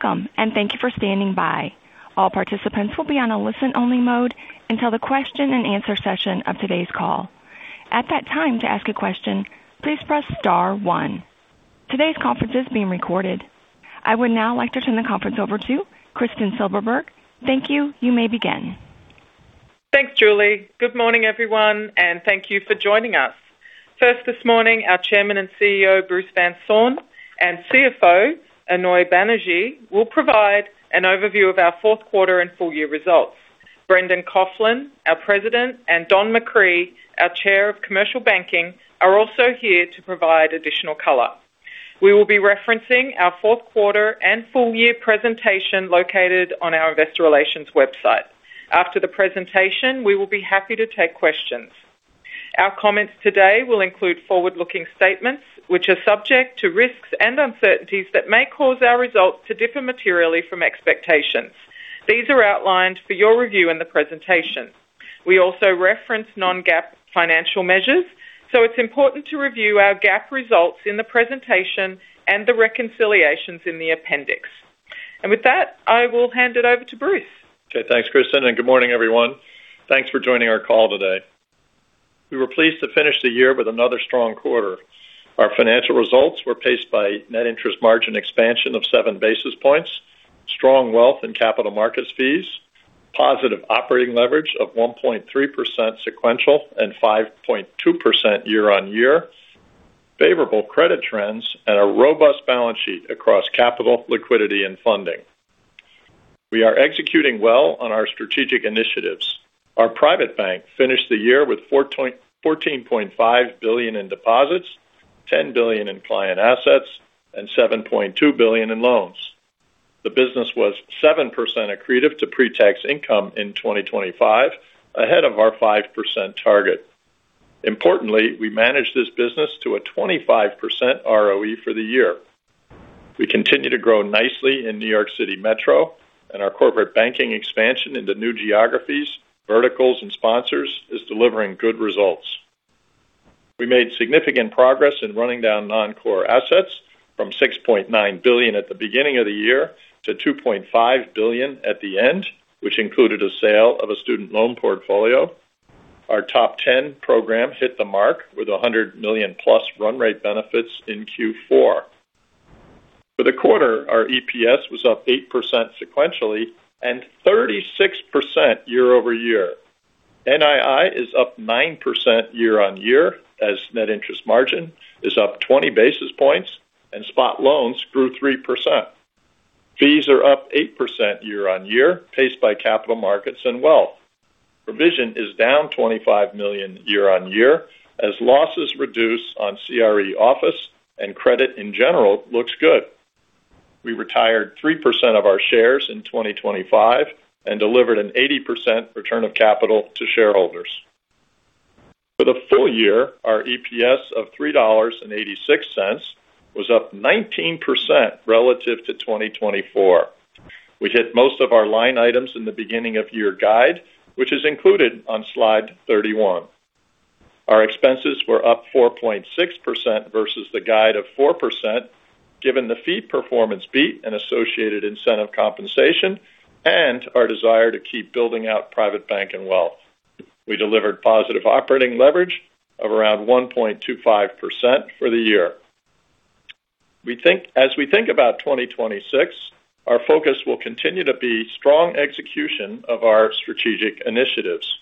Welcome, and thank you for standing by. All participants will be on a listen-only mode until the question-and-answer session of today's call. At that time, to ask a question, please press star one. Today's conference is being recorded. I would now like to turn the conference over to Kristin Silberberg. Thank you. You may begin. Thanks, Julie. Good morning, everyone, and thank you for joining us. First, this morning, our Chairman and CEO, Bruce Van Saun, and CFO, Aunoy Banerjee, will provide an overview of our fourth quarter and full year results. Brendan Coughlin, our President, and Don McCree, our Chair of Commercial Banking, are also here to provide additional color. We will be referencing our fourth quarter and full year presentation located on our Investor Relations website. After the presentation, we will be happy to take questions. Our comments today will include forward-looking statements, which are subject to risks and uncertainties that may cause our results to differ materially from expectations. These are outlined for your review in the presentation. We also reference non-GAAP financial measures, so it's important to review our GAAP results in the presentation and the reconciliations in the appendix. And with that, I will hand it over to Bruce. Okay. Thanks, Kristin, and good morning, everyone. Thanks for joining our call today. We were pleased to finish the year with another strong quarter. Our financial results were paced by net interest margin expansion of 7 basis points, strong wealth and capital markets fees, positive operating leverage of 1.3% sequential and 5.2% year-on-year, favorable credit trends, and a robust balance sheet across capital, liquidity, and funding. We are executing well on our strategic initiatives. Our Private Bank finished the year with $14.5 billion in deposits, $10 billion in client assets, and $7.2 billion in loans. The business was 7% accretive to pre-tax income in 2025, ahead of our 5% target. Importantly, we managed this business to a 25% ROE for the year. We continue to grow nicely in New York City Metro, and our corporate banking expansion into new geographies, verticals, and sponsors is delivering good results. We made significant progress in running down non-core assets from $6.9 billion at the beginning of the year to $2.5 billion at the end, which included a sale of a student loan portfolio. Our TOP 10 program hit the mark with $100 million-plus run rate benefits in Q4. For the quarter, our EPS was up 8% sequentially and 36% year-over-year. NII is up 9% year-on-year as net interest margin is up 20 basis points, and spot loans grew 3%. Fees are up 8% year-on-year, paced by capital markets and wealth. Provision is down $25 million year-on-year as losses reduce on CRE office, and credit in general looks good. We retired 3% of our shares in 2025 and delivered an 80% return of capital to shareholders. For the full year, our EPS of $3.86 was up 19% relative to 2024. We hit most of our line items in the beginning of year guide, which is included on Slide 31. Our expenses were up 4.6% versus the guide of 4%, given the fee performance beat and associated incentive compensation, and our desire to keep building out private bank and wealth. We delivered positive operating leverage of around 1.25% for the year. As we think about 2026, our focus will continue to be strong execution of our strategic initiatives.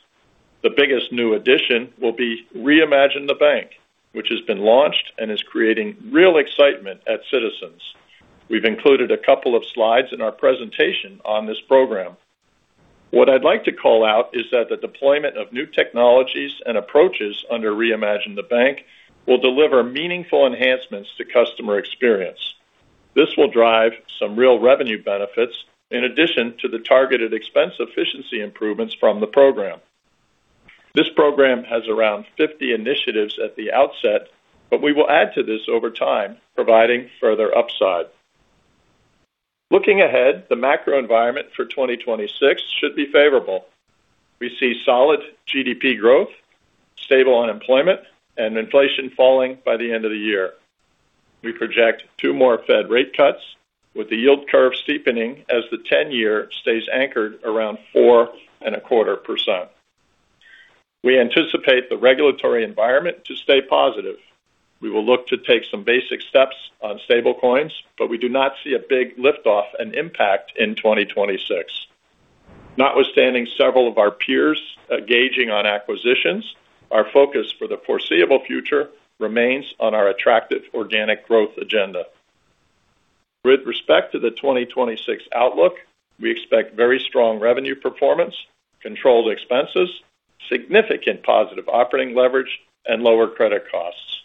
The biggest new addition will be Reimagine the Bank, which has been launched and is creating real excitement at Citizens. We've included a couple of slides in our presentation on this program. What I'd like to call out is that the deployment of new technologies and approaches under Reimagine the Bank will deliver meaningful enhancements to customer experience. This will drive some real revenue benefits in addition to the targeted expense efficiency improvements from the program. This program has around 50 initiatives at the outset, but we will add to this over time, providing further upside. Looking ahead, the macro environment for 2026 should be favorable. We see solid GDP growth, stable unemployment, and inflation falling by the end of the year. We project two more Fed rate cuts, with the yield curve steepening as the 10-year stays anchored around 4.25%. We anticipate the regulatory environment to stay positive. We will look to take some basic steps on stablecoins, but we do not see a big lift-off and impact in 2026. Notwithstanding several of our peers engaging in acquisitions, our focus for the foreseeable future remains on our attractive organic growth agenda. With respect to the 2026 outlook, we expect very strong revenue performance, controlled expenses, significant positive operating leverage, and lower credit costs.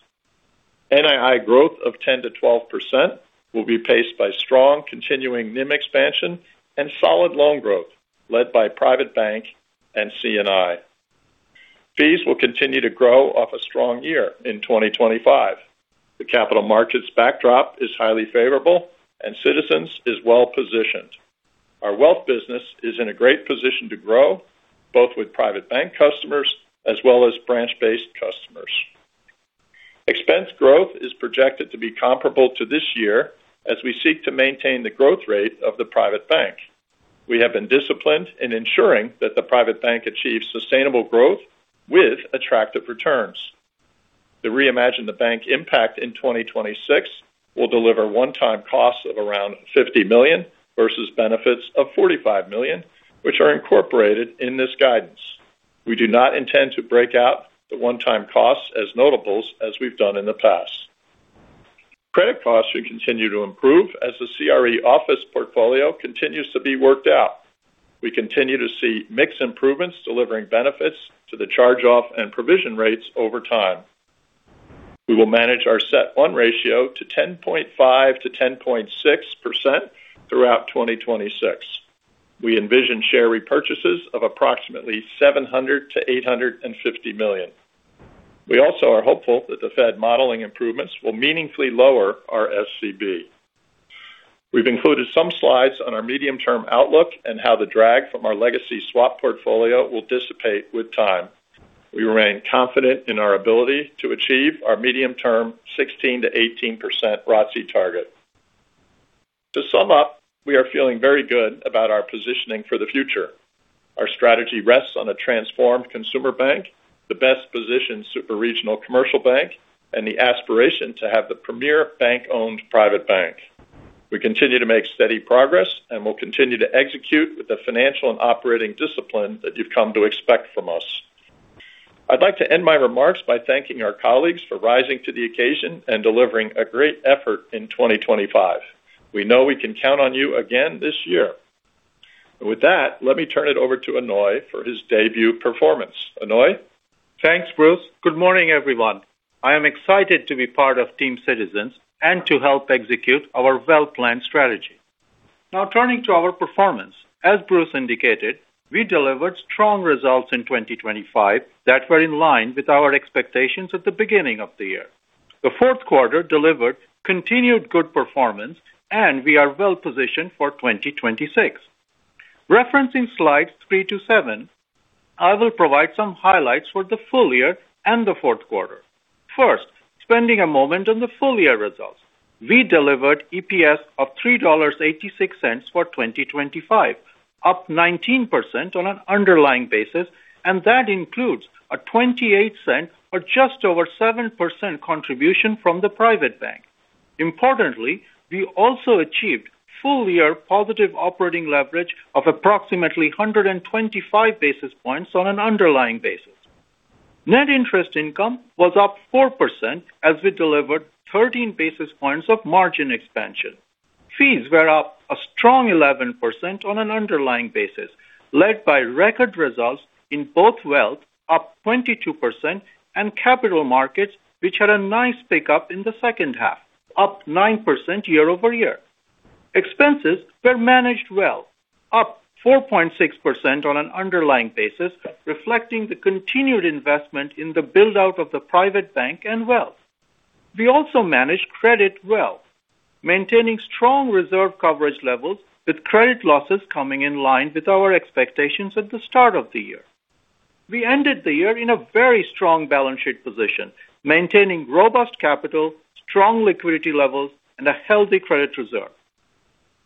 NII growth of 10%-12% will be paced by strong continuing NIM expansion and solid loan growth led by private bank and C&I. Fees will continue to grow off a strong year in 2025. The capital markets backdrop is highly favorable, and Citizens is well positioned. Our wealth business is in a great position to grow, both with private bank customers as well as branch-based customers. Expense growth is projected to be comparable to this year as we seek to maintain the growth rate of the private bank. We have been disciplined in ensuring that the private bank achieves sustainable growth with attractive returns. The Reimagine the Bank impact in 2026 will deliver one-time costs of around $50 million versus benefits of $45 million, which are incorporated in this guidance. We do not intend to break out the one-time costs as notables as we've done in the past. Credit costs should continue to improve as the CRE office portfolio continues to be worked out. We continue to see mixed improvements delivering benefits to the charge-off and provision rates over time. We will manage our CET1 ratio to 10.5%-10.6% throughout 2026. We envision share repurchases of approximately $700 million-$850 million. We also are hopeful that the Fed modeling improvements will meaningfully lower our SCB. We've included some slides on our medium-term outlook and how the drag from our legacy swap portfolio will dissipate with time. We remain confident in our ability to achieve our medium-term 16%-18% ROTCE target. To sum up, we are feeling very good about our positioning for the future. Our strategy rests on a transformed Consumer Bank, the best-positioned superregional commercial bank, and the aspiration to have the premier bank-owned private bank. We continue to make steady progress and will continue to execute with the financial and operating discipline that you've come to expect from us. I'd like to end my remarks by thanking our colleagues for rising to the occasion and delivering a great effort in 2025. We know we can count on you again this year. And with that, let me turn it over to Aunoy for his debut performance. Aunoy? Thanks, Bruce. Good morning, everyone. I am excited to be part of Team Citizens and to help execute our well-planned strategy. Now, turning to our performance, as Bruce indicated, we delivered strong results in 2025 that were in line with our expectations at the beginning of the year. The fourth quarter delivered continued good performance, and we are well positioned for 2026. Referencing Slides three to seven, I will provide some highlights for the full year and the fourth quarter. First, spending a moment on the full year results. We delivered EPS of $3.86 for 2025, up 19% on an underlying basis, and that includes a $0.28 or just over 7% contribution from the private bank. Importantly, we also achieved full-year positive operating leverage of approximately 125 basis points on an underlying basis. Net interest income was up 4% as we delivered 13 basis points of margin expansion. Fees were up a strong 11% on an underlying basis, led by record results in both wealth, up 22%, and capital markets, which had a nice pickup in the second half, up 9% year-over-year. Expenses were managed well, up 4.6% on an underlying basis, reflecting the continued investment in the build-out of the private bank and wealth. We also managed credit well, maintaining strong reserve coverage levels, with credit losses coming in line with our expectations at the start of the year. We ended the year in a very strong balance sheet position, maintaining robust capital, strong liquidity levels, and a healthy credit reserve.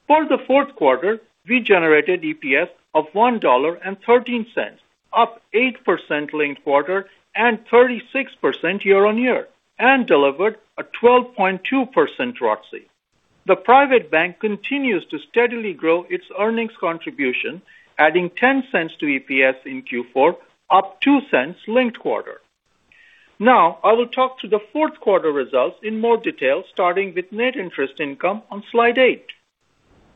For the fourth quarter, we generated EPS of $1.13, up 8% linked quarter and 36% year-on-year, and delivered a 12.2% ROTCE. The private bank continues to steadily grow its earnings contribution, adding $0.10 to EPS in Q4, up $0.02 linked quarter. Now, I will talk to the fourth quarter results in more detail, starting with net interest income on Slide 8.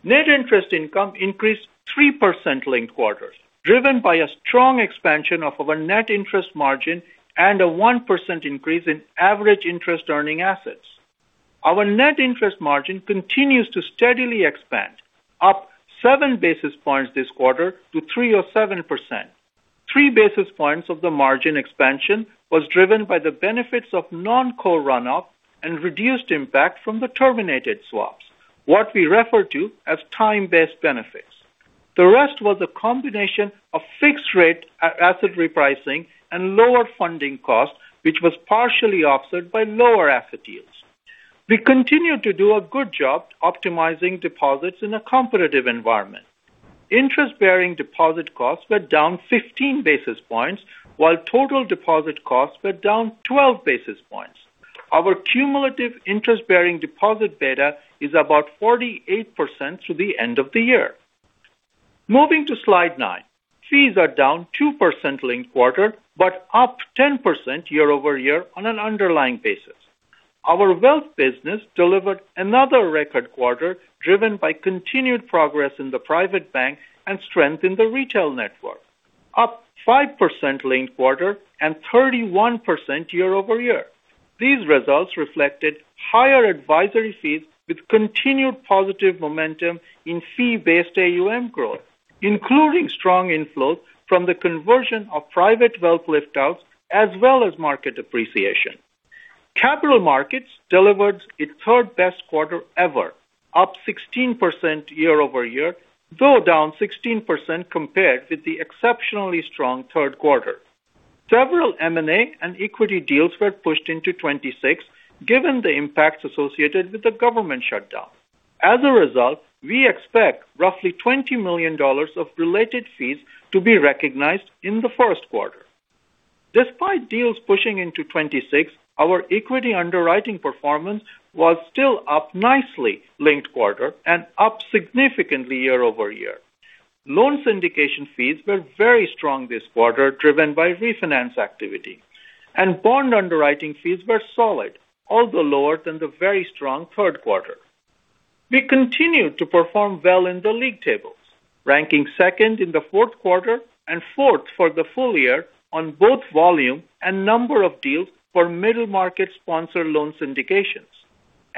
Net interest income increased 3% linked quarters, driven by a strong expansion of our net interest margin and a 1% increase in average interest-earning assets. Our net interest margin continues to steadily expand, up 7 basis points this quarter to 3.07%. Three basis points of the margin expansion was driven by the benefits of non-core run-up and reduced impact from the terminated swaps, what we refer to as time-based benefits. The rest was a combination of fixed-rate asset repricing and lower funding costs, which was partially offset by lower asset yields. We continue to do a good job optimizing deposits in a competitive environment. Interest-bearing deposit costs were down 15 basis points, while total deposit costs were down 12 basis points. Our cumulative interest-bearing deposit beta is about 48% through the end of the year. Moving to Slide nine, fees are down 2% linked quarter, but up 10% year-over-year on an underlying basis. Our wealth business delivered another record quarter, driven by continued progress in the private bank and strength in the retail network, up 5% linked quarter and 31% year-over-year. These results reflected higher advisory fees with continued positive momentum in fee-based AUM growth, including strong inflows from the conversion of Private Wealth liftouts as well as market appreciation. Capital markets delivered its third-best quarter ever, up 16% year-over-year, though down 16% compared with the exceptionally strong third quarter. Several M&A and equity deals were pushed into 2026, given the impacts associated with the government shutdown. As a result, we expect roughly $20 million of related fees to be recognized in the first quarter. Despite deals pushing into 2026, our equity underwriting performance was still up nicely linked quarter and up significantly year-over-year. Loan syndication fees were very strong this quarter, driven by refinance activity, and bond underwriting fees were solid, although lower than the very strong third quarter. We continued to perform well in the league tables, ranking second in the fourth quarter and fourth for the full year on both volume and number of deals for middle market sponsored loan syndications,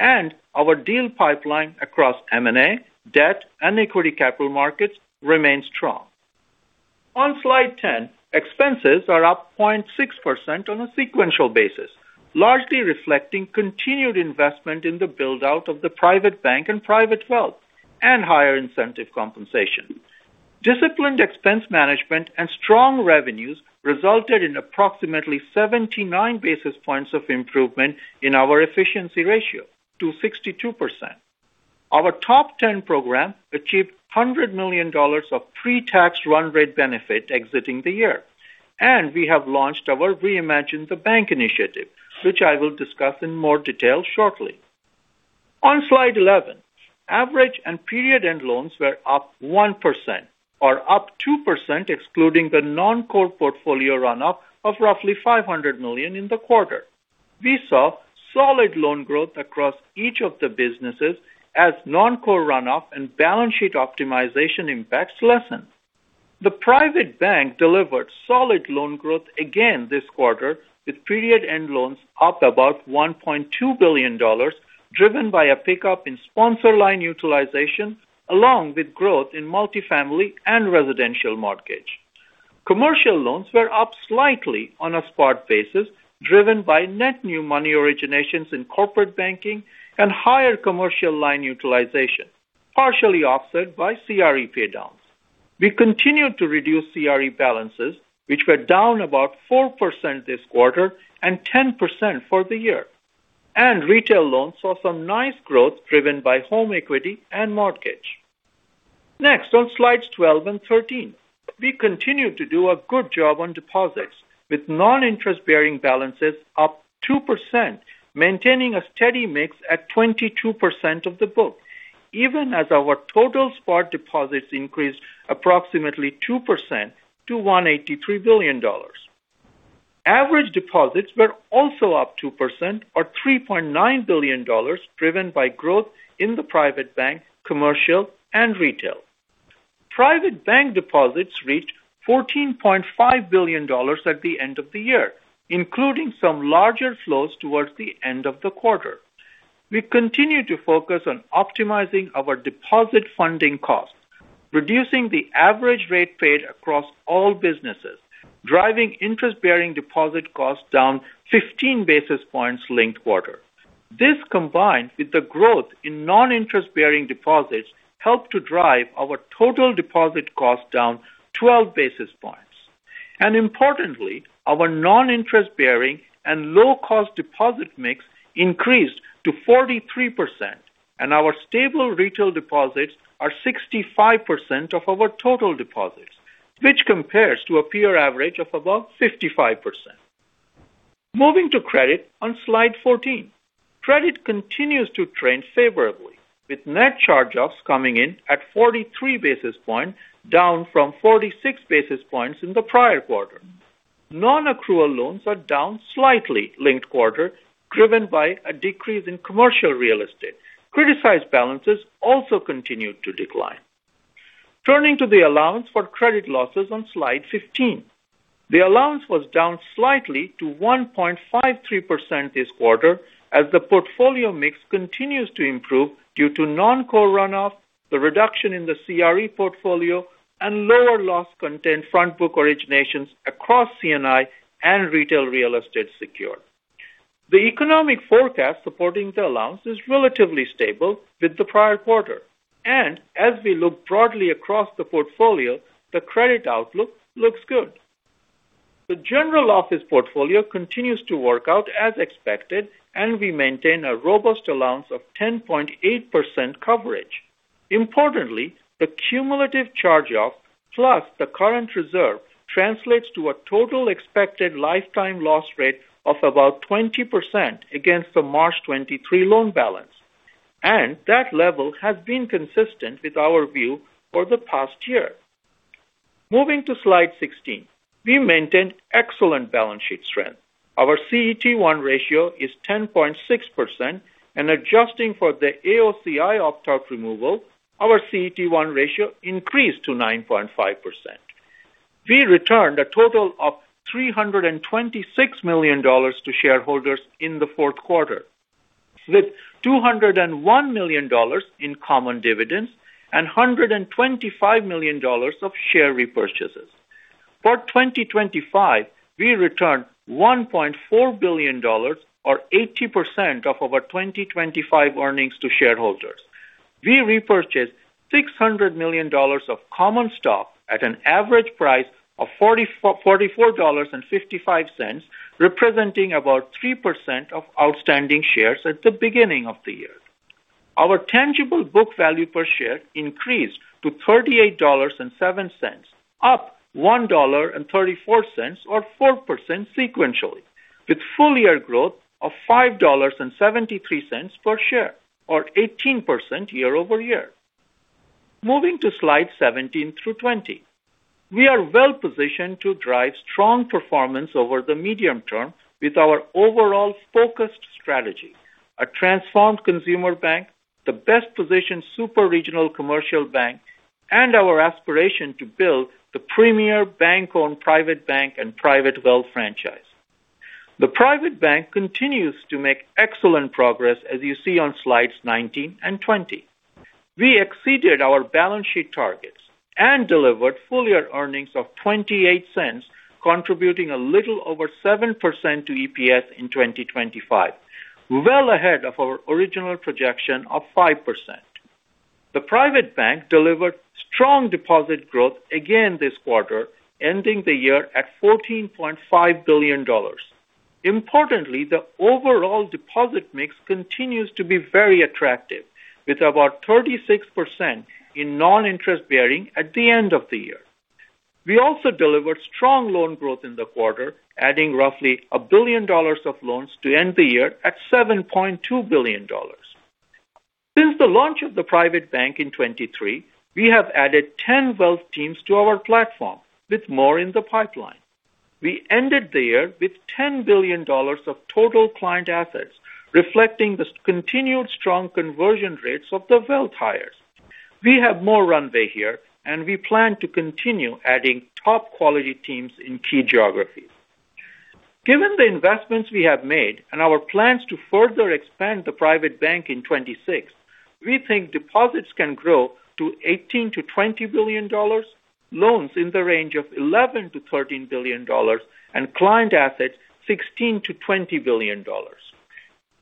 and our deal pipeline across M&A, debt, and equity capital markets remains strong. On Slide 10, expenses are up 0.6% on a sequential basis, largely reflecting continued investment in the build-out of the private bank and Private Wealth and higher incentive compensation. Disciplined expense management and strong revenues resulted in approximately 79 basis points of improvement in our efficiency ratio to 62%. Our TOP 10 program achieved $100 million of pre-tax run rate benefit exiting the year, and we have launched our Reimagine the Bank initiative, which I will discuss in more detail shortly. On Slide 11, average and period-end loans were up 1%, or up 2% excluding the non-core portfolio run-up of roughly $500 million in the quarter. We saw solid loan growth across each of the businesses as non-core run-up and balance sheet optimization impacts lessened. The Private Bank delivered solid loan growth again this quarter, with period-end loans up about $1.2 billion, driven by a pickup in sponsor line utilization, along with growth in multifamily and Residential Mortgage. Commercial loans were up slightly on a spot basis, driven by net new money originations in corporate banking and higher commercial line utilization, partially offset by CRE paydowns. We continued to reduce CRE balances, which were down about 4% this quarter and 10% for the year, and retail loans saw some nice growth driven by home equity and mortgage. Next, on Slides 12 and 13, we continued to do a good job on deposits, with non-interest-bearing balances up 2%, maintaining a steady mix at 22% of the book, even as our total spot deposits increased approximately 2% to $183 billion. Average deposits were also up 2%, or $3.9 billion, driven by growth in the private bank, commercial, and retail. Private bank deposits reached $14.5 billion at the end of the year, including some larger flows towards the end of the quarter. We continue to focus on optimizing our deposit funding costs, reducing the average rate paid across all businesses, driving interest-bearing deposit costs down 15 basis points linked quarter. This, combined with the growth in non-interest-bearing deposits, helped to drive our total deposit costs down 12 basis points. And importantly, our non-interest-bearing and low-cost deposit mix increased to 43%, and our stable retail deposits are 65% of our total deposits, which compares to a peer average of about 55%. Moving to credit on Slide 14, credit continues to trend favorably, with net charge-offs coming in at 43 basis points, down from 46 basis points in the prior quarter. Non-accrual loans are down slightly linked quarter, driven by a decrease in commercial real estate. Criticized balances also continued to decline. Turning to the allowance for credit losses on Slide 15, the allowance was down slightly to 1.53% this quarter, as the portfolio mix continues to improve due to non-core run-up, the reduction in the CRE portfolio, and lower loss content front book originations across C&I and retail real estate secured. The economic forecast supporting the allowance is relatively stable with the prior quarter, and as we look broadly across the portfolio, the credit outlook looks good. The general office portfolio continues to work out as expected, and we maintain a robust allowance of 10.8% coverage. Importantly, the cumulative charge-off plus the current reserve translates to a total expected lifetime loss rate of about 20% against the March 2023 loan balance, and that level has been consistent with our view for the past year. Moving to Slide 16, we maintain excellent balance sheet strength. Our CET1 ratio is 10.6%, and adjusting for the AOCI opt-out removal, our CET1 ratio increased to 9.5%. We returned a total of $326 million to shareholders in the fourth quarter, with $201 million in common dividends and $125 million of share repurchases. For 2025, we returned $1.4 billion, or 80% of our 2025 earnings to shareholders. We repurchased $600 million of common stock at an average price of $44.55, representing about 3% of outstanding shares at the beginning of the year. Our tangible book value per share increased to $38.07, up $1.34, or 4% sequentially, with full-year growth of $5.73 per share, or 18% year-over-year. Moving to Slides 17 through 20, we are well positioned to drive strong performance over the medium term with our overall focused strategy, a transformed consumer bank, the best-positioned super regional commercial bank, and our aspiration to build the premier bank-owned private bank and Private Wealth franchise. The private bank continues to make excellent progress, as you see on Slides 19 and 20. We exceeded our balance sheet targets and delivered full-year earnings of $0.28, contributing a little over 7% to EPS in 2025, well ahead of our original projection of 5%. The Private Bank delivered strong deposit growth again this quarter, ending the year at $14.5 billion. Importantly, the overall deposit mix continues to be very attractive, with about 36% in non-interest-bearing at the end of the year. We also delivered strong loan growth in the quarter, adding roughly $1 billion of loans to end the year at $7.2 billion. Since the launch of the Private Bank in 2023, we have added 10 wealth teams to our platform, with more in the pipeline. We ended the year with $10 billion of total client assets, reflecting the continued strong conversion rates of the wealth hires. We have more runway here, and we plan to continue adding top-quality teams in key geographies. Given the investments we have made and our plans to further expand the private bank in 2026, we think deposits can grow to $18 billion-$20 billion, loans in the range of $11 billion-$13 billion, and client assets $16 billion-$20 billion.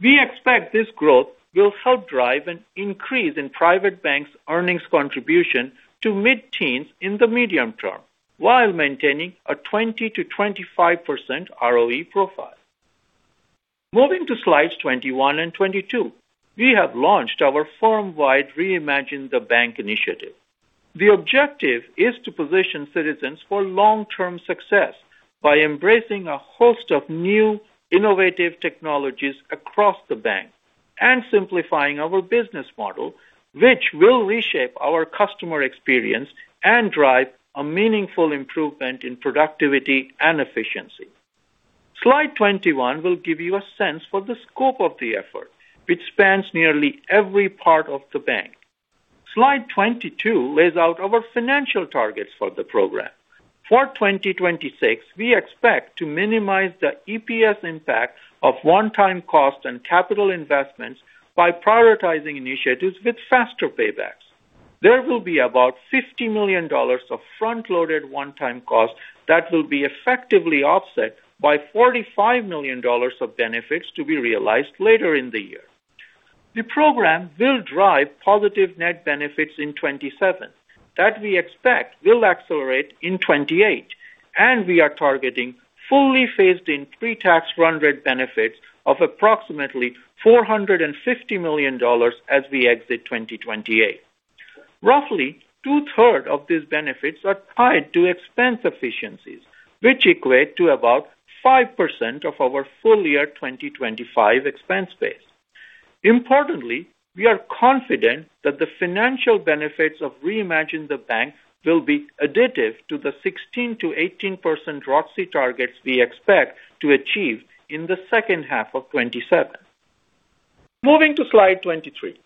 We expect this growth will help drive an increase in private bank's earnings contribution to mid-teens in the medium term, while maintaining a 20%-25% ROE profile. Moving to Slides 21 and 22, we have launched our firm-wide Reimagine the Bank initiative. The objective is to position Citizens for long-term success by embracing a host of new innovative technologies across the bank and simplifying our business model, which will reshape our customer experience and drive a meaningful improvement in productivity and efficiency. Slide 21 will give you a sense for the scope of the effort, which spans nearly every part of the bank. Slide 22 lays out our financial targets for the program. For 2026, we expect to minimize the EPS impact of one-time costs and capital investments by prioritizing initiatives with faster paybacks. There will be about $50 million of front-loaded one-time costs that will be effectively offset by $45 million of benefits to be realized later in the year. The program will drive positive net benefits in 2027 that we expect will accelerate in 2028, and we are targeting fully phased-in pre-tax run rate benefits of approximately $450 million as we exit 2028. Roughly 2/3 of these benefits are tied to expense efficiencies, which equate to about 5% of our full-year 2025 expense base. Importantly, we are confident that the financial benefits of Reimagine the Bank will be additive to the 16%-18% ROTCE targets we expect to achieve in the second half of 2027. Moving to Slide 23,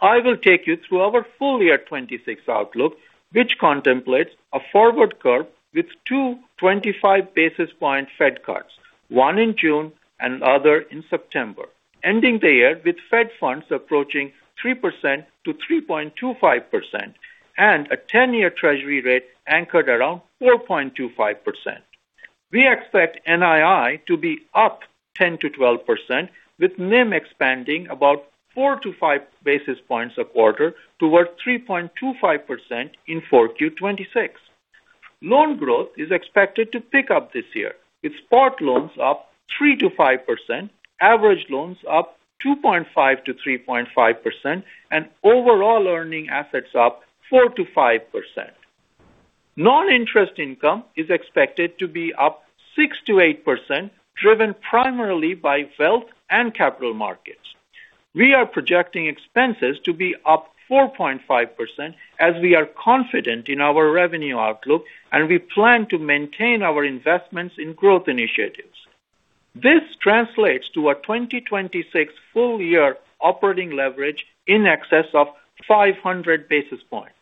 I will take you through our full-year 2026 outlook, which contemplates a forward curve with two 25 basis point Fed cuts, one in June and the other in September, ending the year with Fed funds approaching 3%-3.25% and a 10-year Treasury rate anchored around 4.25%. We expect NII to be up 10%-12%, with NIM expanding about 4-5 basis points a quarter toward 3.25% in 4Q 2026. Loan growth is expected to pick up this year, with spot loans up 3%-5%, average loans up 2.5%-3.5%, and overall earning assets up 4%-5%. Non-interest income is expected to be up 6%-8%, driven primarily by wealth and capital markets. We are projecting expenses to be up 4.5% as we are confident in our revenue outlook, and we plan to maintain our investments in growth initiatives. This translates to a 2026 full-year operating leverage in excess of 500 basis points.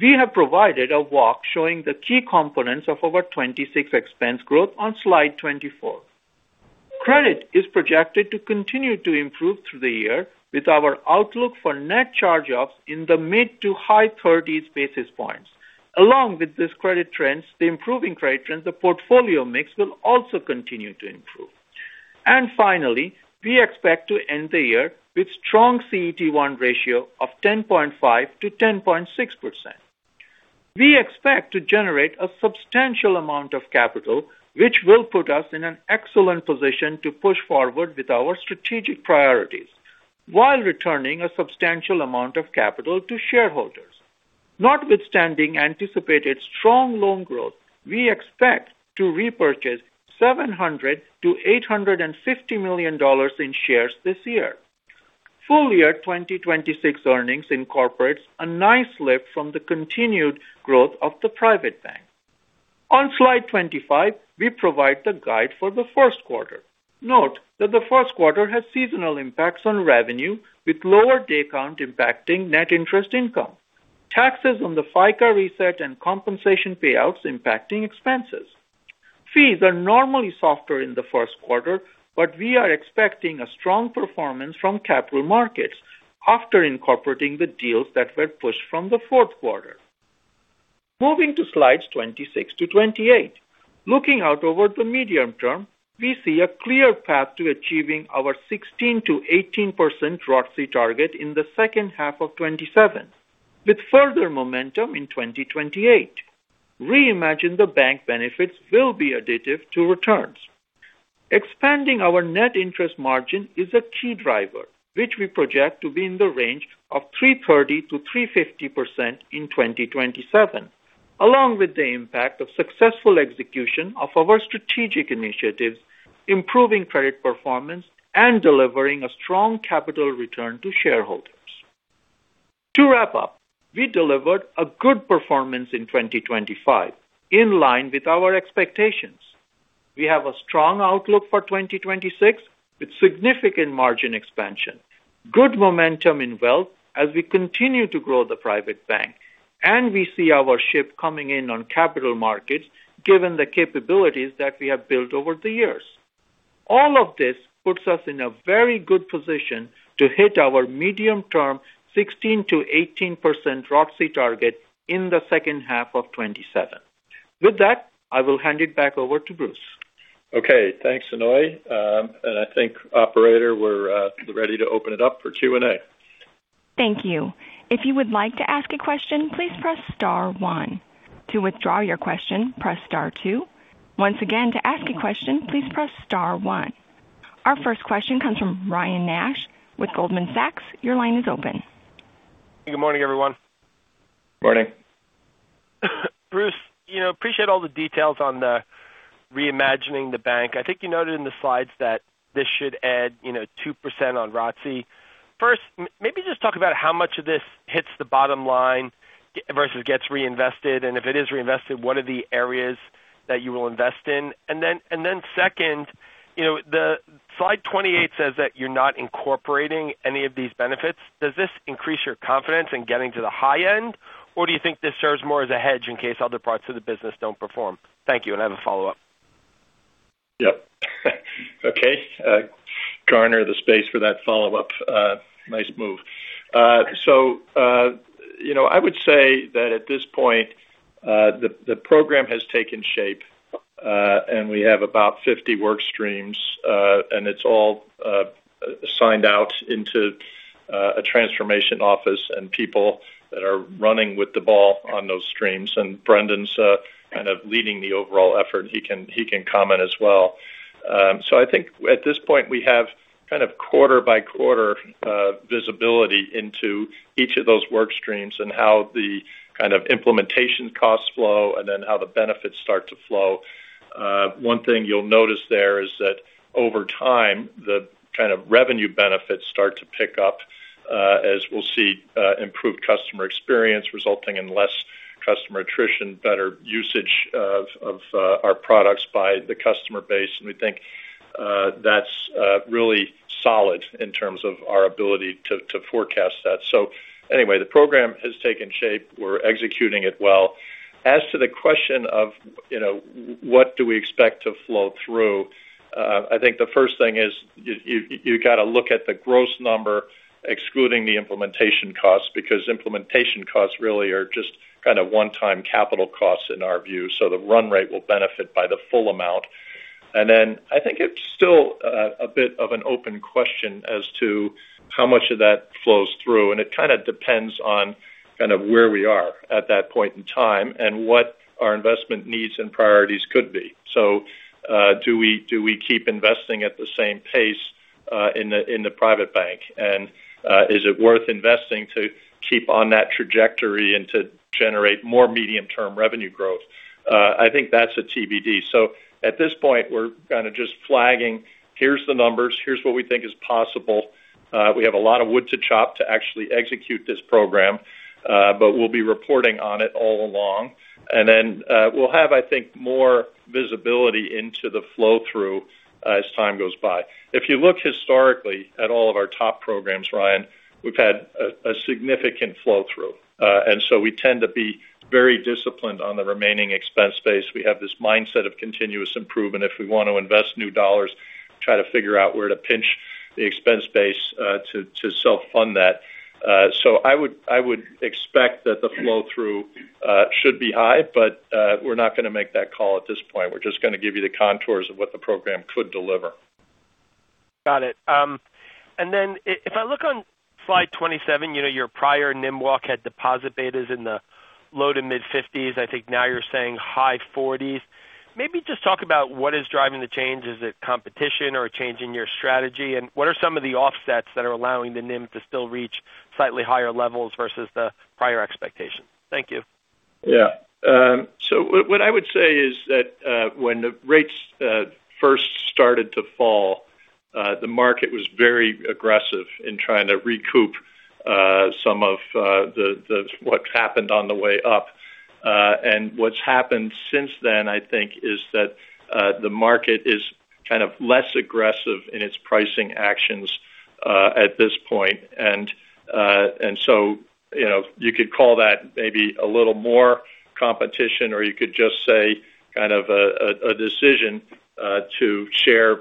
We have provided a walk showing the key components of our 2026 expense growth on Slide 24. Credit is projected to continue to improve through the year, with our outlook for net charge-offs in the mid to high 30s basis points. Along with this credit trend, the improving credit trend, the portfolio mix will also continue to improve. And finally, we expect to end the year with a strong CET1 ratio of 10.5%-10.6%. We expect to generate a substantial amount of capital, which will put us in an excellent position to push forward with our strategic priorities, while returning a substantial amount of capital to shareholders. Notwithstanding anticipated strong loan growth, we expect to repurchase $700 million-$850 million in shares this year. Full-year 2026 earnings incorporates a nice lift from the continued growth of the Private Bank. On Slide 25, we provide the guide for the first quarter. Note that the first quarter has seasonal impacts on revenue, with lower day count impacting net interest income, taxes on the FICA reset, and compensation payouts impacting expenses. Fees are normally softer in the first quarter, but we are expecting a strong performance from capital markets after incorporating the deals that were pushed from the fourth quarter. Moving to Slides 26-28, looking out over the medium term, we see a clear path to achieving our 16%-18% ROTCE target in the second half of 2027, with further momentum in 2028. Reimagine the Bank benefits will be additive to returns. Expanding our net interest margin is a key driver, which we project to be in the range of 3.30%-3.50% in 2027, along with the impact of successful execution of our strategic initiatives, improving credit performance, and delivering a strong capital return to shareholders. To wrap up, we delivered a good performance in 2025, in line with our expectations. We have a strong outlook for 2026, with significant margin expansion, good momentum in wealth as we continue to grow the private bank, and we see our ship coming in on capital markets, given the capabilities that we have built over the years. All of this puts us in a very good position to hit our medium-term 16%-18% ROTCE target in the second half of 2027. With that, I will hand it back over to Bruce. Okay, thanks, Aunoy. And I think, Operator, we're ready to open it up for Q&A. Thank you. If you would like to ask a question, please press star one. To withdraw your question, press star two. Once again, to ask a question, please press star one. Our first question comes from Ryan Nash with Goldman Sachs. Your line is open. Good morning, everyone. Good morning. Bruce, you know, appreciate all the details on the Reimagining the bank. I think you noted in the slides that this should add, you know, 2% on ROTCE. First, maybe just talk about how much of this hits the bottom line versus gets reinvested, and if it is reinvested, what are the areas that you will invest in? And then, and then second, you know, the Slide 28 says that you're not incorporating any of these benefits. Does this increase your confidence in getting to the high end, or do you think this serves more as a hedge in case other parts of the business don't perform? Thank you, and I have a follow-up. Yep. Okay, give her the space for that follow-up. Nice move, so you know, I would say that at this point, the program has taken shape, and we have about 50 work streams, and it's all siloed out into a transformation office and people that are running with the ball on those streams. And Brendan's kind of leading the overall effort. He can comment as well, so I think at this point we have kind of quarter-by-quarter visibility into each of those work streams and how the kind of implementation costs flow and then how the benefits start to flow. One thing you'll notice there is that over time, the kind of revenue benefits start to pick up, as we'll see, improved customer experience resulting in less customer attrition, better usage of our products by the customer base. And we think that's really solid in terms of our ability to forecast that. So anyway, the program has taken shape. We're executing it well. As to the question of you know what do we expect to flow through, I think the first thing is you got to look at the gross number, excluding the implementation costs, because implementation costs really are just kind of one-time capital costs in our view. So the run rate will benefit by the full amount. And then I think it's still a bit of an open question as to how much of that flows through. It kind of depends on kind of where we are at that point in time and what our investment needs and priorities could be. So, do we keep investing at the same pace in the private bank? Is it worth investing to keep on that trajectory and to generate more medium-term revenue growth? I think that's a TBD. So at this point, we're kind of just flagging. Here's the numbers. Here's what we think is possible. We have a lot of wood to chop to actually execute this program, but we'll be reporting on it all along. We'll have, I think, more visibility into the flow through as time goes by. If you look historically at all of our top programs, Ryan, we've had a significant flow through. So we tend to be very disciplined on the remaining expense space. We have this mindset of continuous improvement. If we want to invest new dollars, try to figure out where to pinch the expense base, to self-fund that. So I would expect that the flow through should be high, but we're not going to make that call at this point. We're just going to give you the contours of what the program could deliver. Got it. And then if I look on Slide 27, you know, your prior NIM walk had deposit betas in the low to mid-50s. I think now you're saying high 40s. Maybe just talk about what is driving the change. Is it competition or a change in your strategy? And what are some of the offsets that are allowing the NIM to still reach slightly higher levels versus the prior expectation? Thank you. Yeah. So what I would say is that, when the rates first started to fall, the market was very aggressive in trying to recoup some of the what's happened on the way up. And what's happened since then, I think, is that the market is kind of less aggressive in its pricing actions at this point. And so, you know, you could call that maybe a little more competition, or you could just say kind of a decision to share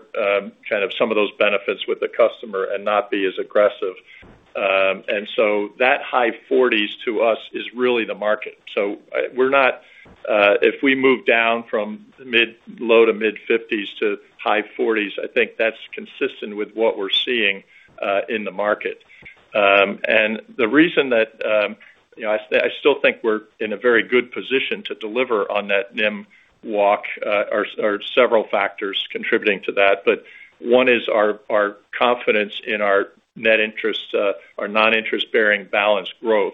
kind of some of those benefits with the customer and not be as aggressive. And so that high 40s to us is really the market. So we're not, if we move down from mid low to mid-50s to high 40s, I think that's consistent with what we're seeing in the market. And the reason that, you know, I still think we're in a very good position to deliver on that NIM walk are several factors contributing to that. But one is our confidence in our net interest, our non-interest-bearing balance growth,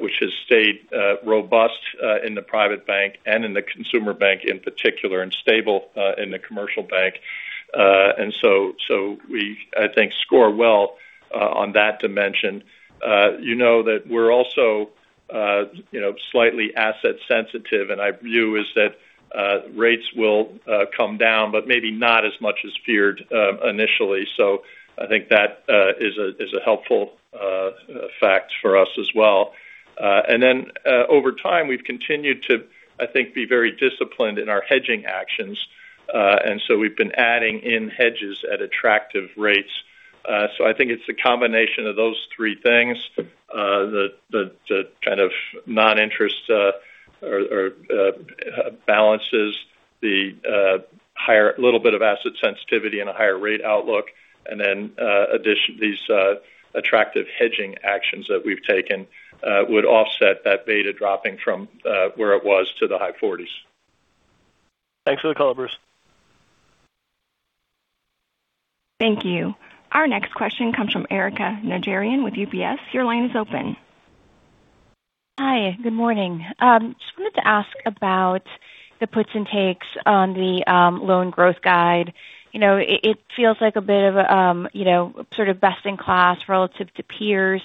which has stayed robust in the private bank and in the consumer bank in particular, and stable in the commercial bank. And so, I think, we score well on that dimension. You know, that we're also, you know, slightly asset sensitive, and my view is that rates will come down, but maybe not as much as feared initially. So I think that is a helpful fact for us as well. And then, over time, we've continued to, I think, be very disciplined in our hedging actions. And so we've been adding in hedges at attractive rates. So I think it's the combination of those three things, the kind of non-interest or balances, the higher a little bit of asset sensitivity and a higher rate outlook. And then in addition, these attractive hedging actions that we've taken would offset that beta dropping from where it was to the high 40s. Thanks for the color, Bruce. Thank you. Our next question comes from Erika Najarian with UBS. Your line is open. Hi, good morning. Just wanted to ask about the puts and takes on the loan growth guide. You know, it feels like a bit of a you know, sort of best in class relative to peers.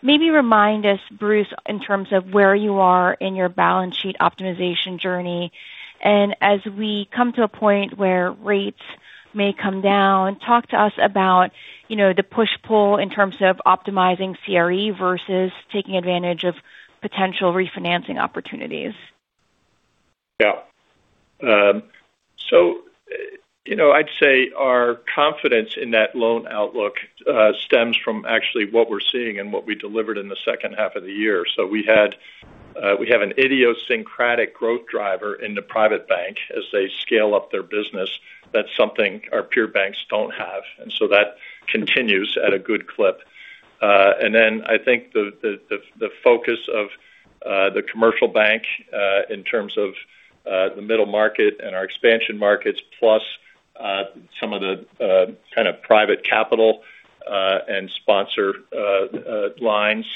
Maybe remind us, Bruce, in terms of where you are in your balance sheet optimization journey. And as we come to a point where rates may come down, talk to us about, you know, the push-pull in terms of optimizing CRE versus taking advantage of potential refinancing opportunities. Yeah. So, you know, I'd say our confidence in that loan outlook stems from actually what we're seeing and what we delivered in the second half of the year. So we had, we have an idiosyncratic growth driver in the private bank as they scale up their business. That's something our peer banks don't have. And so that continues at a good clip. And then I think the focus of the commercial bank, in terms of the middle market and our expansion markets, plus some of the kind of private capital and sponsor lines,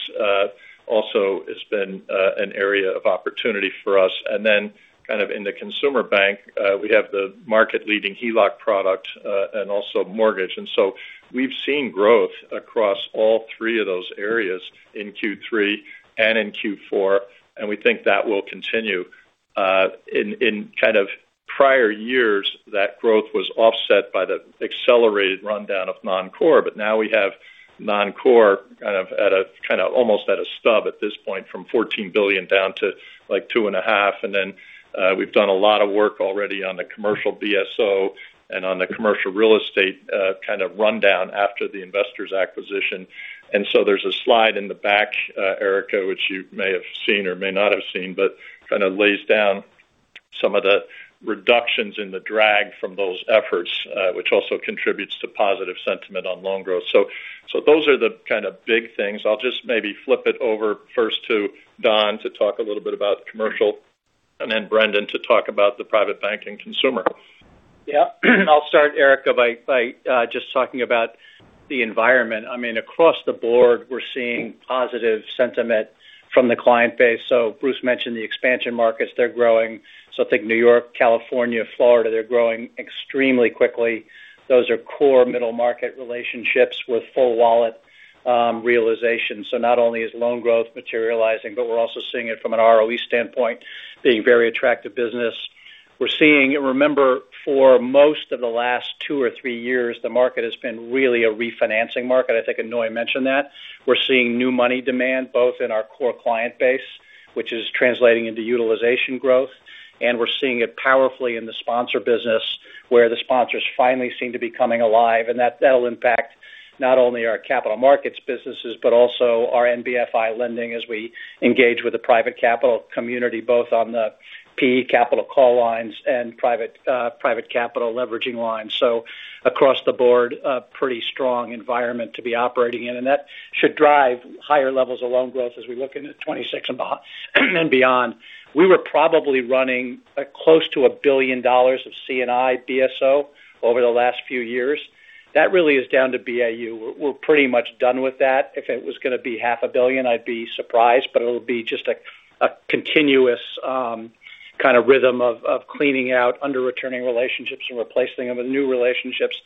also has been an area of opportunity for us. And then kind of in the consumer bank, we have the market-leading HELOC product, and also mortgage. And so we've seen growth across all three of those areas in Q3 and in Q4. And we think that will continue. In prior years, that growth was offset by the accelerated rundown of non-core. But now we have non-core kind of almost at a stub at this point from $14 billion down to like $2.5 billion. And then we've done a lot of work already on the commercial BSO and on the commercial real estate, kind of rundown after the Investors' acquisition. So there's a slide in the back, Erika, which you may have seen or may not have seen, but kind of lays down some of the reductions in the drag from those efforts, which also contributes to positive sentiment on loan growth. So those are the kind of big things. I'll just maybe flip it over first to Don to talk a little bit about commercial, and then Brendan to talk about the private bank and consumer. Yeah. I'll start, Erica, by just talking about the environment. I mean, across the board, we're seeing positive sentiment from the client base. So Bruce mentioned the expansion markets. They're growing. So I think New York, California, Florida, they're growing extremely quickly. Those are core middle market relationships with full wallet, realization. So not only is loan growth materializing, but we're also seeing it from an ROE standpoint being a very attractive business. We're seeing, remember, for most of the last two or three years, the market has been really a refinancing market. I think Aunoy mentioned that. We're seeing new money demand both in our core client base, which is translating into utilization growth. And we're seeing it powerfully in the sponsor business where the sponsors finally seem to be coming alive. And that, that'll impact not only our capital markets businesses, but also our NBFI lending as we engage with the private capital community, both on the PE capital call lines and private, private capital leveraging lines. So across the board, a pretty strong environment to be operating in. And that should drive higher levels of loan growth as we look into 2026 and beyond. We were probably running close to $1 billion of C&I BSO over the last few years. That really is down to BAU. We're pretty much done with that. If it was going to be half a billion, I'd be surprised, but it'll be just a continuous, kind of rhythm of cleaning out under-returning relationships and replacing them with new relationships.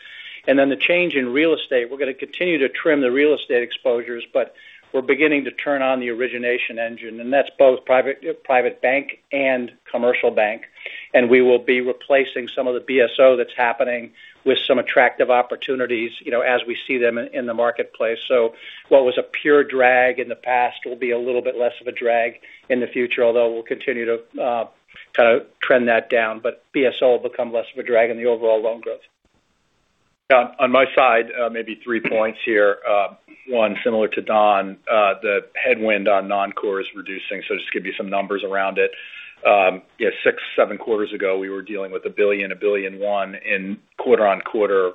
And then the change in real estate, we're going to continue to trim the real estate exposures, but we're beginning to turn on the origination engine. And that's both private bank and commercial bank. And we will be replacing some of the BSO that's happening with some attractive opportunities, you know, as we see them in the marketplace. So what was a pure drag in the past will be a little bit less of a drag in the future, although we'll continue to kind of trend that down. But BSO will become less of a drag in the overall loan growth. Yeah. On my side, maybe three points here. One, similar to Don, the headwind on non-core is reducing. So just give you some numbers around it. You know, six, seven quarters ago, we were dealing with $1 billion, $1.1 billion in quarter-on-quarter,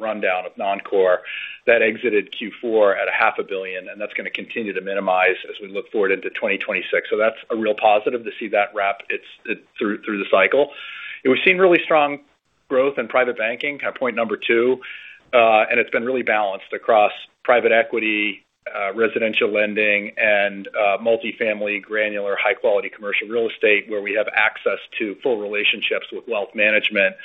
rundown of non-core that exited Q4 at $500 million. And that's going to continue to minimize as we look forward into 2026. So that's a real positive to see that wrap up through the cycle. And we've seen really strong growth in private banking, kind of point number two. And it's been really balanced across private equity, residential lending, and multifamily, granular, high-quality commercial real estate where we have access to full relationships with wealth management.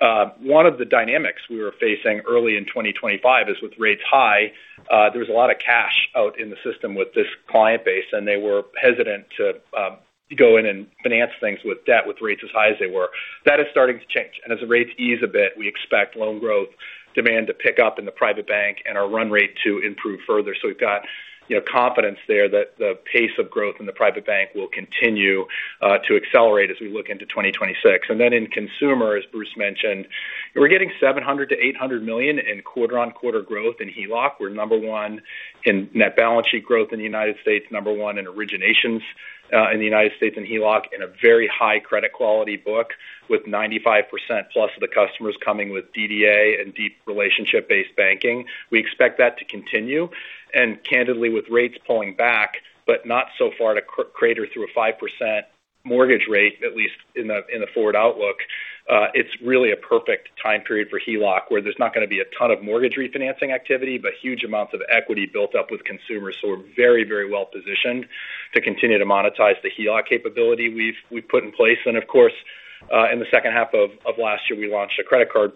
One of the dynamics we were facing early in 2025 is with rates high. There was a lot of cash out in the system with this client base, and they were hesitant to go in and finance things with debt with rates as high as they were. That is starting to change. And as the rates ease a bit, we expect loan growth demand to pick up in the private bank and our run rate to improve further. So we've got, you know, confidence there that the pace of growth in the private bank will continue to accelerate as we look into 2026. And then in consumers, Bruce mentioned, we're getting $700 million-$800 million in quarter-on-quarter growth in HELOC. We're number one in net balance sheet growth in the United States, number one in originations in the United States in HELOC, and a very high credit quality book with 95%+ of the customers coming with DDA and deep relationship-based banking. We expect that to continue. And candidly, with rates pulling back, but not so far to crater through a 5% mortgage rate, at least in the forward outlook, it's really a perfect time period for HELOC where there's not going to be a ton of mortgage refinancing activity, but huge amounts of equity built up with consumers. So we're very, very well positioned to continue to monetize the HELOC capability we've put in place. And of course, in the second half of last year, we launched a credit card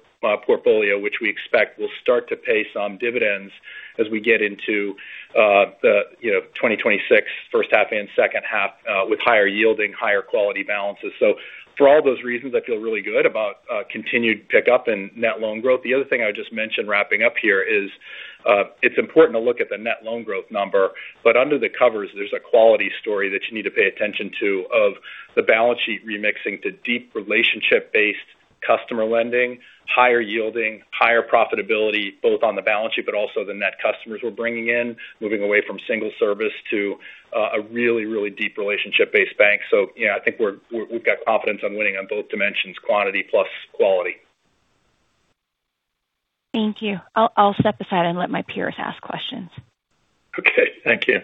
portfolio, which we expect will start to pay some dividends as we get into the, you know, 2026 first half and second half, with higher yielding, higher quality balances. So for all those reasons, I feel really good about continued pickup and net loan growth. The other thing I would just mention wrapping up here is, it's important to look at the net loan growth number, but under the covers, there's a quality story that you need to pay attention to of the balance sheet remixing to deep relationship-based customer lending, higher yielding, higher profitability, both on the balance sheet, but also the net customers we're bringing in, moving away from single service to a really, really deep relationship-based bank. So, you know, I think we're, we've got confidence on winning on both dimensions, quantity plus quality. Thank you. I'll step aside and let my peers ask questions. Okay. Thank you.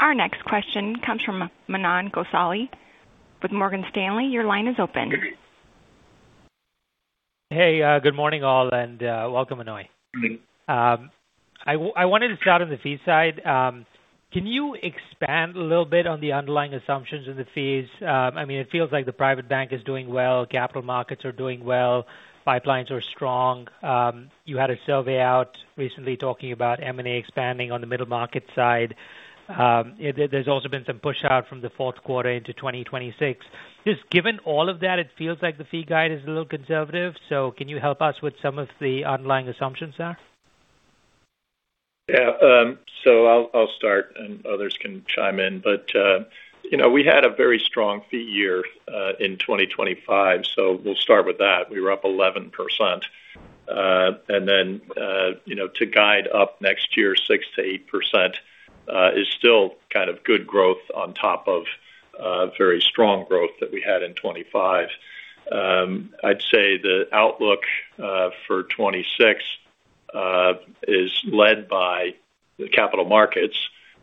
Our next question comes from Manan Gosalia with Morgan Stanley. Your line is open. Hey, good morning all, and welcome, Aunoy. I wanted to start on the fee side. Can you expand a little bit on the underlying assumptions in the fees? I mean, it feels like the private bank is doing well. Capital markets are doing well. Pipelines are strong. You had a survey out recently talking about M&A expanding on the middle market side. There's also been some push out from the fourth quarter into 2026. Just given all of that, it feels like the fee guide is a little conservative. So can you help us with some of the underlying assumptions there? Yeah, so I'll start and others can chime in. But you know, we had a very strong fee year in 2025. So we'll start with that. We were up 11%. And then you know, to guide up next year 6%-8% is still kind of good growth on top of very strong growth that we had in 2025. I'd say the outlook for 2026 is led by the capital markets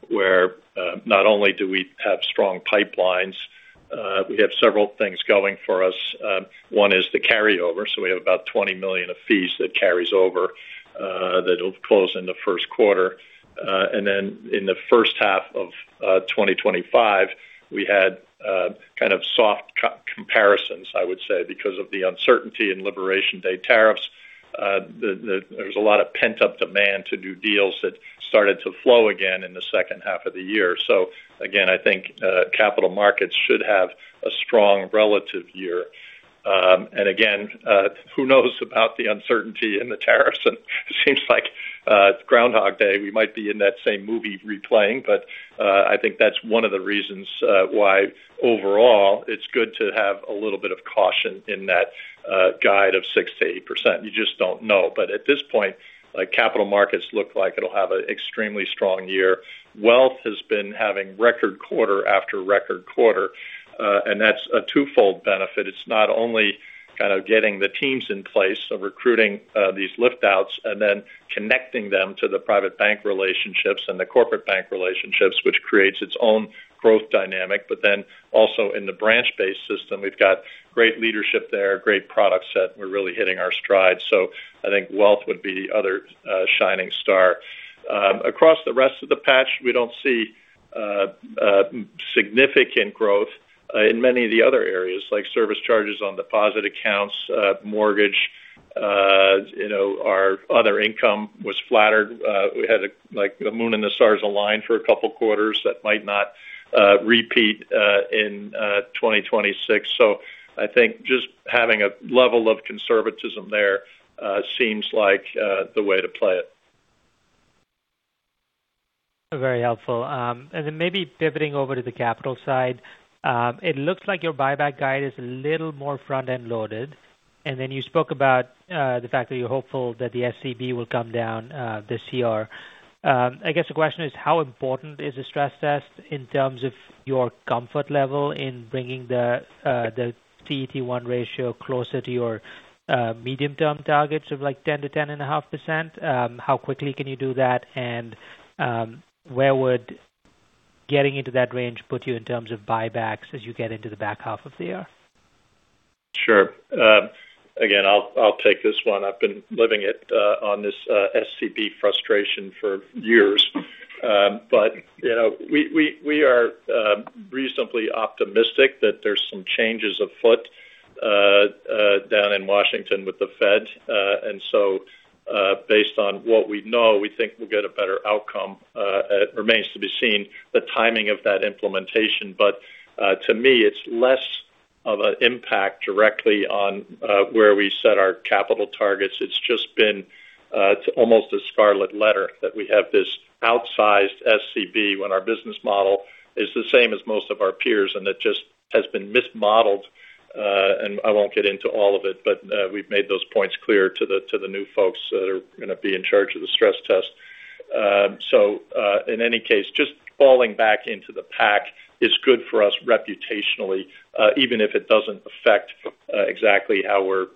where not only do we have strong pipelines, we have several things going for us. One is the carryover. So we have about $20 million of fees that carries over, that'll close in the first quarter. And then in the first half of 2025 we had kind of soft comparisons, I would say, because of the uncertainty and Liberation Day tariffs. There was a lot of pent-up demand to do deals that started to flow again in the second half of the year. So again, I think capital markets should have a strong relative year. And again, who knows about the uncertainty in the tariffs? And it seems like it's Groundhog Day. We might be in that same movie replaying. But I think that's one of the reasons why overall it's good to have a little bit of caution in that guide of 6%-8%. You just don't know. But at this point, capital markets look like it'll have an extremely strong year. Wealth has been having record quarter after record quarter. And that's a twofold benefit. It's not only kind of getting the teams in place of recruiting, these lift-outs and then connecting them to the private bank relationships and the corporate bank relationships, which creates its own growth dynamic. But then also in the branch-based system, we've got great leadership there, great product set. We're really hitting our stride. So I think wealth would be the other shining star. Across the rest of the bank, we don't see significant growth in many of the other areas like service charges on deposit accounts, mortgage, you know, our other income was flat. We had, like, the moon and the stars aligned for a couple quarters that might not repeat in 2026. So I think just having a level of conservatism there seems like the way to play it. Very helpful. And then maybe pivoting over to the capital side, it looks like your buyback guide is a little more front-end loaded. And then you spoke about the fact that you're hopeful that the SCB will come down this year. I guess the question is, how important is the stress test in terms of your comfort level in bringing the CET1 ratio closer to your medium-term targets of like 10%-10.5%? How quickly can you do that? And where would getting into that range put you in terms of buybacks as you get into the back half of the year? Sure. Again, I'll take this one. I've been living it on this SCB frustration for years. But you know, we are reasonably optimistic that there's some changes afoot down in Washington with the Fed. And so, based on what we know, we think we'll get a better outcome. It remains to be seen the timing of that implementation. But, to me, it's less of an impact directly on where we set our capital targets. It's just been; it's almost a scarlet letter that we have this outsized SCB when our business model is the same as most of our peers, and it just has been mismodeled. And I won't get into all of it, but we've made those points clear to the new folks that are going to be in charge of the stress test. So, in any case, just falling back into the pack is good for us reputationally, even if it doesn't affect exactly how we're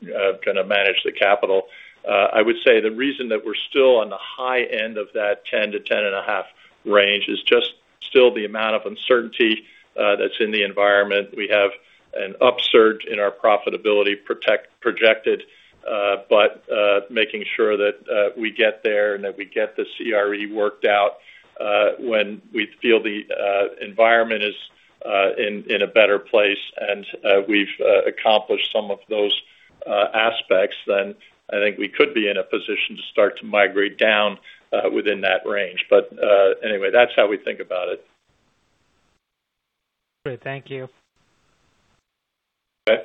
going to manage the capital. I would say the reason that we're still on the high end of that 10%-10.5% range is just still the amount of uncertainty that's in the environment. We have an upsurge in our profitability projected, but making sure that we get there and that we get the CRE worked out, when we feel the environment is in a better place, and we've accomplished some of those aspects, then I think we could be in a position to start to migrate down within that range. But anyway, that's how we think about it. Great. Thank you. Okay.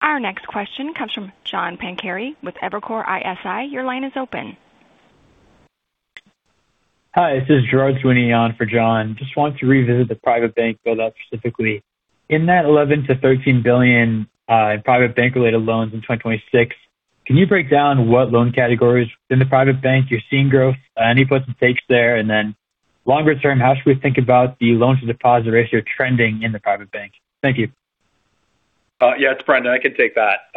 Our next question comes from John Pancari with Evercore ISI. Your line is open. Hi, this is George joining John. Just wanted to revisit the private bank build-up specifically. In that $11 billion-$13 billion, private bank-related loans in 2026, can you break down what loan categories in the private bank you're seeing growth, any potential stakes there? And then longer term, how should we think about the loan-to-deposit ratio trending in the private bank? Thank you. Yeah, it's Brendan. I can take that.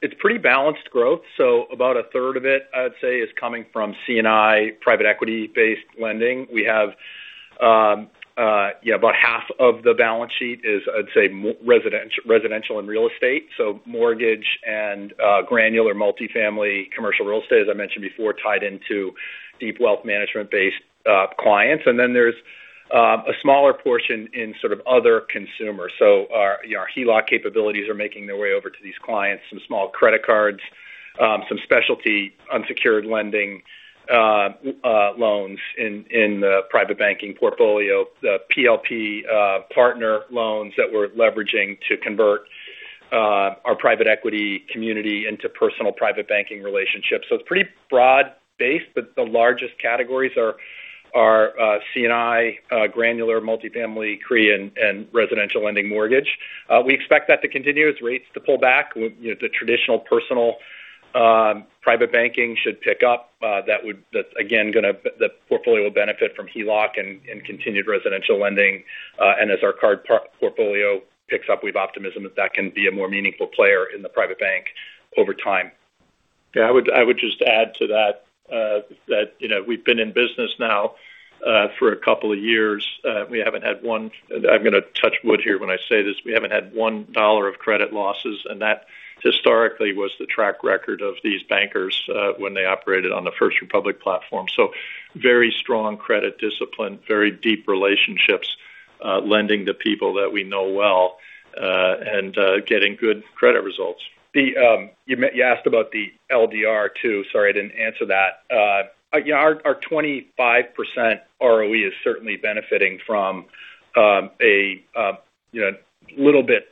It's pretty balanced growth. So about a third of it, I'd say, is coming from C&I private equity-based lending. We have, yeah, about half of the balance sheet is, I'd say, residential and real estate. So mortgage and granular multifamily commercial real estate, as I mentioned before, tied into deep wealth management-based clients. And then there's a smaller portion in sort of other consumers. So, you know, our HELOC capabilities are making their way over to these clients, some small credit cards, some specialty unsecured lending, loans in the private banking portfolio, the PLP, partner loans that we're leveraging to convert our private equity community into personal private banking relationships. So it's pretty broad-based, but the largest categories are C&I, granular multifamily, CRE, and residential lending mortgage. We expect that to continue as rates to pull back. You know, the traditional personal private banking should pick up. That would. That's again going to the portfolio will benefit from HELOC and continued residential lending. And as our card portfolio picks up, we've optimism that that can be a more meaningful player in the private bank over time. Yeah, I would just add to that, you know, we've been in business now for a couple of years. We haven't had one. I'm going to touch wood here when I say this. We haven't had one dollar of credit losses. And that historically was the track record of these bankers, when they operated on the First Republic platform. So very strong credit discipline, very deep relationships, lending to people that we know well, and getting good credit results. The, you meant, you asked about the LDR too. Sorry, I didn't answer that. You know, our 25% ROE is certainly benefiting from a you know little bit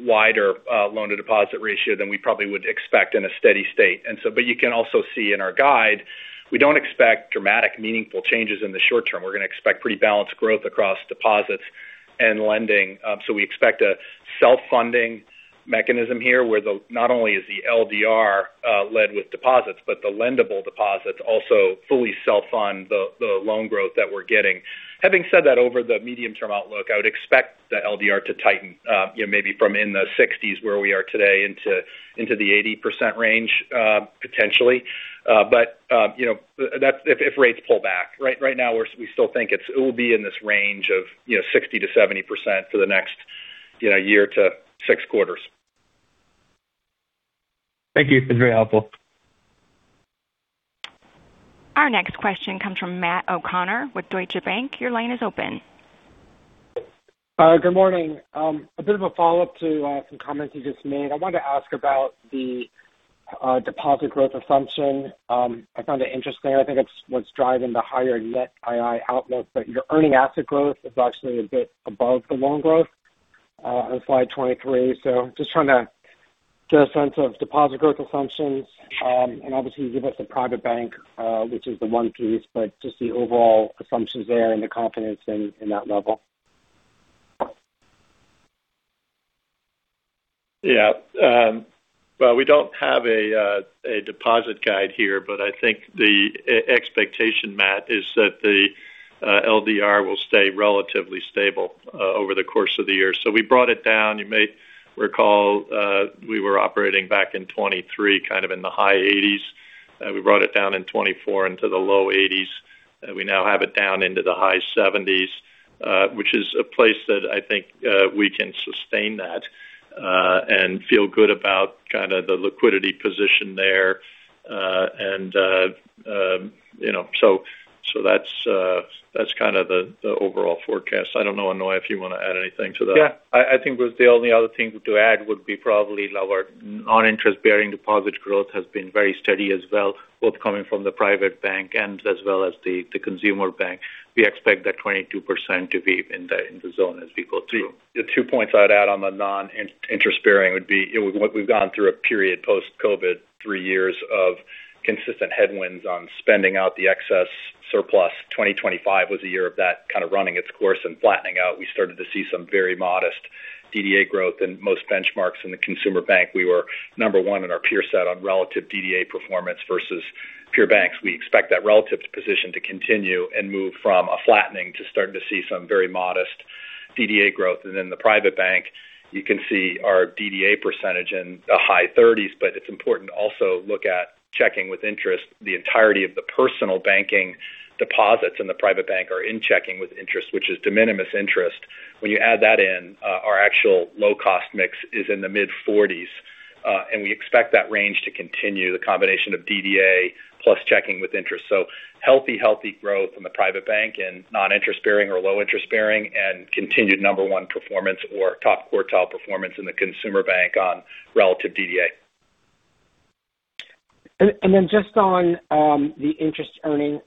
wider loan-to-deposit ratio than we probably would expect in a steady state. And so, but you can also see in our guide, we don't expect dramatic meaningful changes in the short term. We're going to expect pretty balanced growth across deposits and lending. So we expect a self-funding mechanism here where the, not only is the LDR led with deposits, but the lendable deposits also fully self-fund the loan growth that we're getting. Having said that, over the medium-term outlook, I would expect the LDR to tighten, you know, maybe from in the 60s where we are today into the 80% range, potentially. But, you know, that's if rates pull back. Right, right now we're, we still think it's, it will be in this range of, you know, 60%-70% for the next, you know, year to six quarters. Thank you. It's very helpful. Our next question comes from Matt O'Connor with Deutsche Bank. Your line is open. Good morning. A bit of a follow-up to some comments you just made. I wanted to ask about the deposit growth assumption. I found it interesting. I think it's what's driving the higher net NII outlook, but your earning asset growth is actually a bit above the loan growth, on Slide 23. So just trying to get a sense of deposit growth assumptions, and obviously you give us a private bank, which is the one piece, but just the overall assumptions there and the confidence in, in that level. Yeah. Well, we don't have a, a deposit guide here, but I think the expectation, Matt, is that the, LDR will stay relatively stable, over the course of the year. So we brought it down. You may recall, we were operating back in 2023, kind of in the high 80s. We brought it down in 2024 into the low 80s. We now have it down into the high 70s, which is a place that I think we can sustain that and feel good about kind of the liquidity position there. And, you know, so that's kind of the overall forecast. I don't know, Aunoy, if you want to add anything to that. Yeah. I think the only other thing to add would be probably our non-interest-bearing deposit growth has been very steady as well, both coming from the private bank and as well as the consumer bank. We expect that 22% to be in the zone as we go through. The two points I'd add on the non-interest-bearing would be, you know, we've gone through a period post-COVID, three years of consistent headwinds on spending out the excess surplus. 2025 was a year of that kind of running its course and flattening out. We started to see some very modest DDA growth in most benchmarks in the Consumer Bank. We were number one in our peer set on relative DDA performance versus peer banks. We expect that relative position to continue and move from a flattening to starting to see some very modest DDA growth. Then the Private Bank, you can see our DDA percentage in the high 30s, but it is important to also look at checking with interest. The entirety of the personal banking deposits in the Private Bank are in checking with interest, which is de minimis interest. When you add that in, our actual low-cost mix is in the mid-40s, and we expect that range to continue, the combination of DDA plus checking with interest. So healthy growth in the private bank and non-interest-bearing or low-interest-bearing and continued number one performance or top quartile performance in the consumer bank on relative DDA. And then just on the interest-earning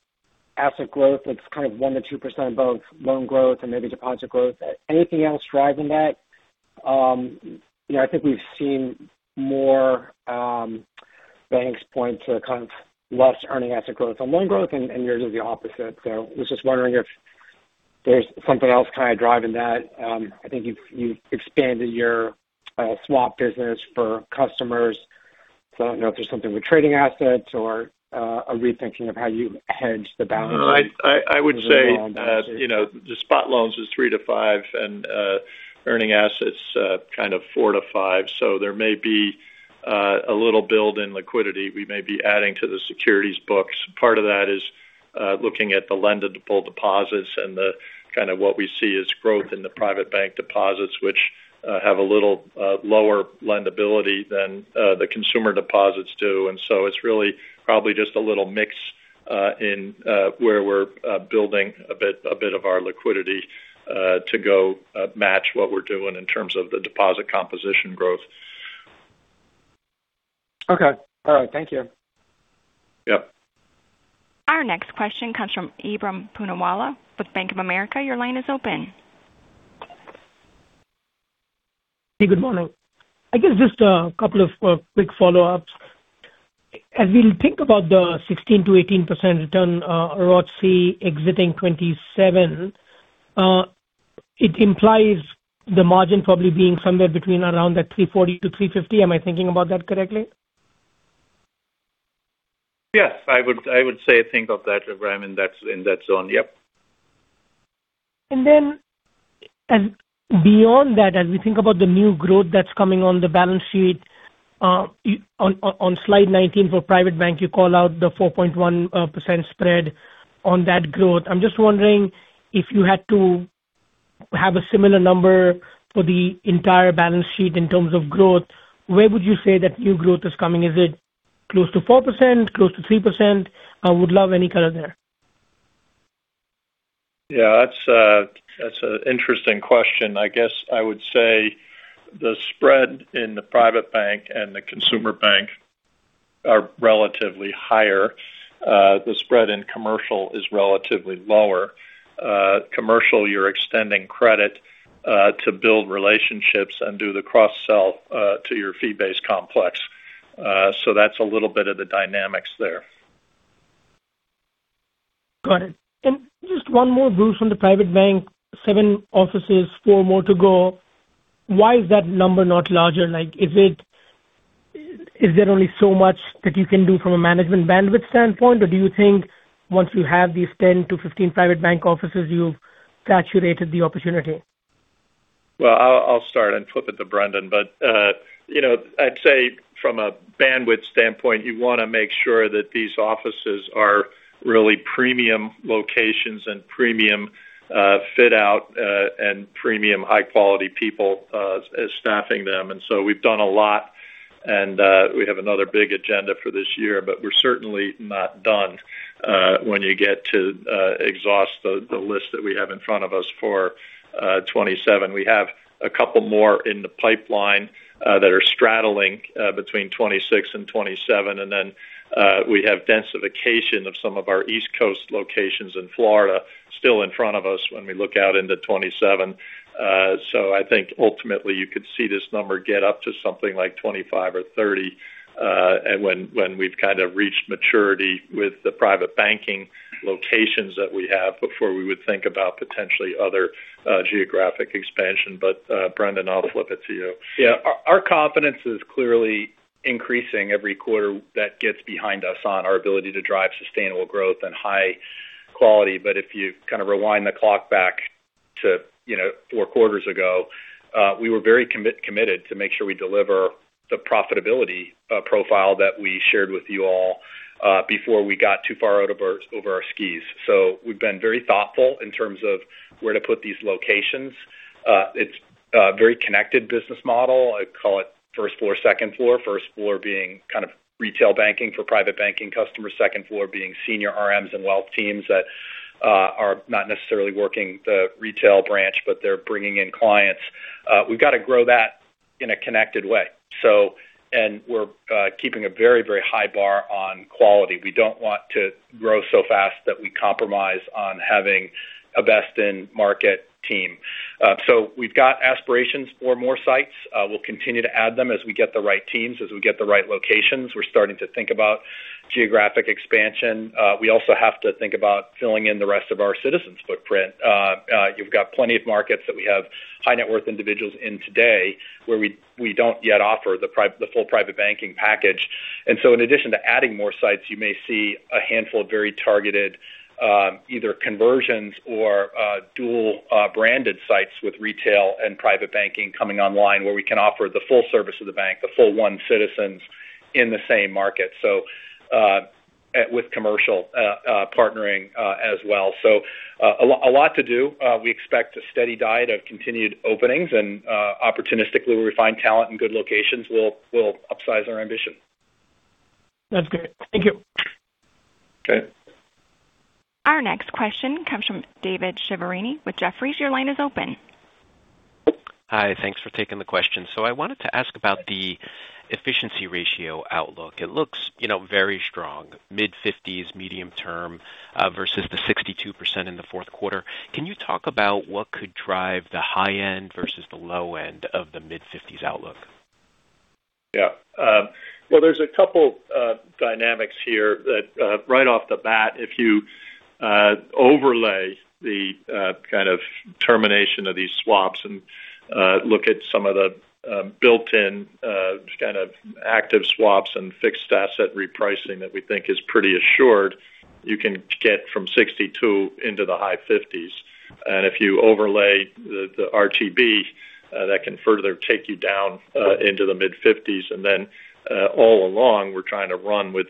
asset growth, it's kind of 1%-2% of both loan growth and maybe deposit growth. Anything else driving that? You know, I think we've seen more banks point to kind of less earning asset growth on loan growth, and yours is the opposite. So I was just wondering if there's something else kind of driving that. I think you've expanded your swap business for customers. So I don't know if there's something with trading assets or a rethinking of how you hedge the balance. I would say that, you know, the loan growth was 3%-5% and earning assets kind of 4%-5%. So there may be a little build in liquidity. We may be adding to the securities books. Part of that is looking at the lendable deposits and the kind of what we see as growth in the private bank deposits, which have a little lower lendability than the consumer deposits do. And so it's really probably just a little mix in where we're building a bit of our liquidity to go match what we're doing in terms of the deposit composition growth. Okay. All right. Thank you. Yep. Our next question comes from Ebrahim Poonawala with Bank of America. Your line is open. Hey, good morning. I guess just a couple of quick follow-ups. As we think about the 16%-18% return, ROTCE exiting 2027, it implies the margin probably being somewhere between around that 340-350. Am I thinking about that correctly? Yes, I would, I would say think of that, I mean, that's in that zone. Yep. And then as beyond that, as we think about the new growth that's coming on the balance sheet, on, on, on Slide 19 for Private Bank, you call out the 4.1% spread on that growth. I'm just wondering if you had to have a similar number for the entire balance sheet in terms of growth, where would you say that new growth is coming? Is it close to 4%, close to 3%? I would love any color there. Yeah, that's, that's an interesting question. I guess I would say the spread in the Private Bank and the Consumer Bank are relatively higher. The spread in commercial is relatively lower. Commercial, you're extending credit, to build relationships and do the cross-sell, to your fee-based complex. So that's a little bit of the dynamics there. Got it. And just one more on the Private Bank, seven offices, four more to go. Why is that number not larger? Like, is it, is there only so much that you can do from a management bandwidth standpoint, or do you think once you have these 10 to 15 Private Bank offices, you've saturated the opportunity? Well, I'll start and flip it to Brendan, but, you know, I'd say from a bandwidth standpoint, you want to make sure that these offices are really premium locations and premium fit out, and premium high-quality people, staffing them. And so we've done a lot and, we have another big agenda for this year, but we're certainly not done, when you get to exhaust the list that we have in front of us for 2027. We have a couple more in the pipeline, that are straddling between 2026 and 2027. Then we have densification of some of our East Coast locations in Florida still in front of us when we look out into 2027. I think ultimately you could see this number get up to something like 25 or 30, and when we've kind of reached maturity with the private banking locations that we have before we would think about potentially other geographic expansion. Brendan, I'll flip it to you. Yeah. Our confidence is clearly increasing every quarter that gets behind us on our ability to drive sustainable growth and high quality. If you kind of rewind the clock back to, you know, four quarters ago, we were very committed to make sure we deliver the profitability profile that we shared with you all, before we got too far over our skis. So we've been very thoughtful in terms of where to put these locations. It's a very connected business model. I call it first floor, second floor. First floor being kind of retail banking for private banking customers, second floor being senior RMs and wealth teams that are not necessarily working the retail branch, but they're bringing in clients. We've got to grow that in a connected way. So we're keeping a very, very high bar on quality. We don't want to grow so fast that we compromise on having a best-in-market team. So we've got aspirations for more sites. We'll continue to add them as we get the right teams, as we get the right locations. We're starting to think about geographic expansion. We also have to think about filling in the rest of our Citizens' footprint. You've got plenty of markets that we have high-net-worth individuals in today where we don't yet offer the private, the full private banking package. And so in addition to adding more sites, you may see a handful of very targeted, either conversions or dual-branded sites with retail and private banking coming online where we can offer the full service of the bank, the full One Citizens in the same market. So, with commercial partnering as well. So, a lot to do. We expect a steady diet of continued openings and, opportunistically, where we find talent in good locations, we'll upsize our ambition. That's good. Thank you. Okay. Our next question comes from David Chiaverini with Jefferies. Your line is open. Hi. Thanks for taking the question. So I wanted to ask about the efficiency ratio outlook. It looks, you know, very strong, mid-50s, medium term, versus the 62% in the fourth quarter. Can you talk about what could drive the high end versus the low end of the mid-50s outlook? Yeah. Well, there's a couple dynamics here that, right off the bat, if you overlay the kind of termination of these swaps and look at some of the built-in kind of active swaps and fixed asset repricing that we think is pretty assured, you can get from 62 into the high 50s. And if you overlay the RTB, that can further take you down into the mid-50s. And then, all along, we're trying to run with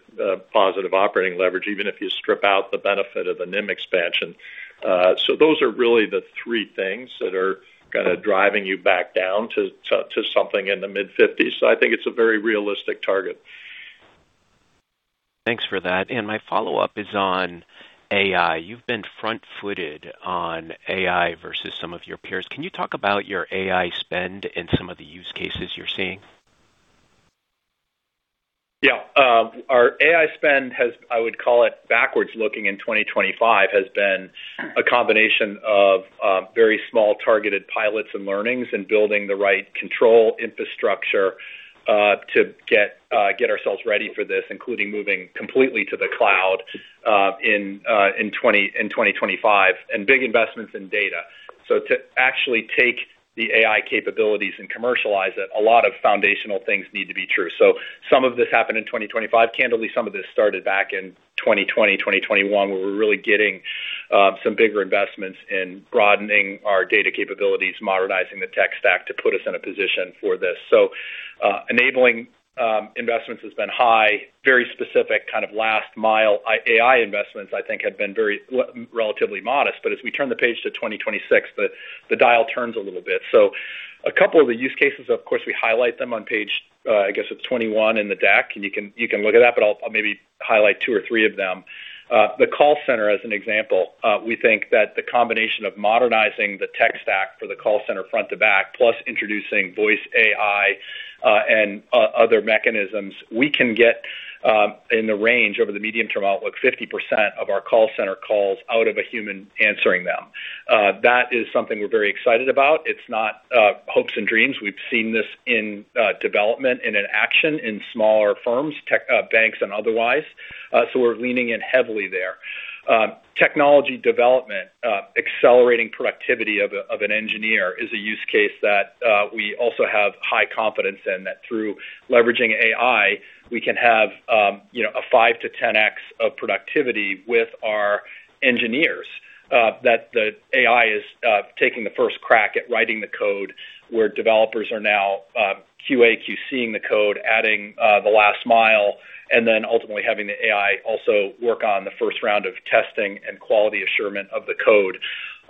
positive operating leverage, even if you strip out the benefit of the NIM expansion. So those are really the three things that are kind of driving you back down to something in the mid-50s. So I think it's a very realistic target. Thanks for that. And my follow-up is on AI. You've been front-footed on AI versus some of your peers. Can you talk about your AI spend and some of the use cases you're seeing? Yeah. Our AI spend has, I would call it backwards looking in 2025, has been a combination of, very small targeted pilots and learnings and building the right control infrastructure, to get ourselves ready for this, including moving completely to the cloud, in 2025, and big investments in data. So to actually take the AI capabilities and commercialize it, a lot of foundational things need to be true. So some of this happened in 2025. Candidly, some of this started back in 2020, 2021, where we're really getting some bigger investments in broadening our data capabilities, modernizing the tech stack to put us in a position for this. So enabling investments has been high. Very specific kind of last mile AI investments, I think, have been very relatively modest. But as we turn the page to 2026, the dial turns a little bit. So a couple of the use cases, of course, we highlight them on Page 21 in the deck, and you can look at that, but I'll maybe highlight two or three of them. The call center, as an example, we think that the combination of modernizing the tech stack for the call center front to back, plus introducing voice AI and other mechanisms, we can get in the range over the medium-term outlook, 50% of our call center calls out of a human answering them. That is something we're very excited about. It's not hopes and dreams. We've seen this in development and in action in smaller firms, tech banks, and otherwise. So we're leaning in heavily there. Technology development, accelerating productivity of an engineer is a use case that we also have high confidence in that through leveraging AI, we can have, you know, a 5-10x of productivity with our engineers, that the AI is taking the first crack at writing the code where developers are now QA QCing the code, adding the last mile, and then ultimately having the AI also work on the first round of testing and quality assurance of the code,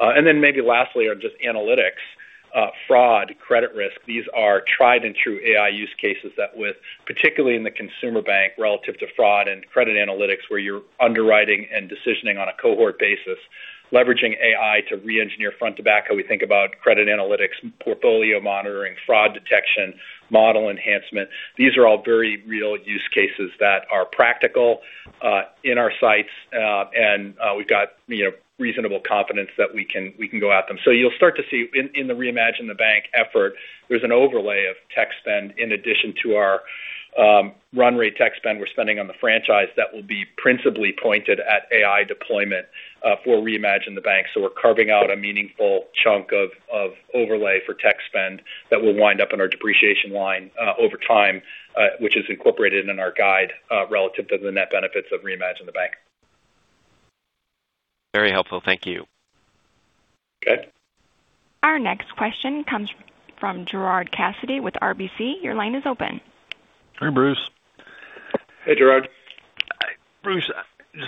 and then maybe lastly, on just analytics, fraud, credit risk, these are tried and true AI use cases that with particularly in the consumer bank relative to fraud and credit analytics, where you're underwriting and decisioning on a cohort basis, leveraging AI to re-engineer front to back how we think about credit analytics, portfolio monitoring, fraud detection, model enhancement. These are all very real use cases that are practical, in our sights, and we've got, you know, reasonable confidence that we can go at them. So you'll start to see in the Reimagine the Bank effort, there's an overlay of tech spend in addition to our run rate tech spend we're spending on the franchise that will be principally pointed at AI deployment for Reimagine the Bank. So we're carving out a meaningful chunk of overlay for tech spend that will wind up in our depreciation line over time, which is incorporated in our guide relative to the net benefits of Reimagine the Bank. Very helpful. Thank you. Okay. Our next question comes from Gerard Cassidy with RBC. Your line is open. Hey, Bruce. Hey, Gerard. Bruce,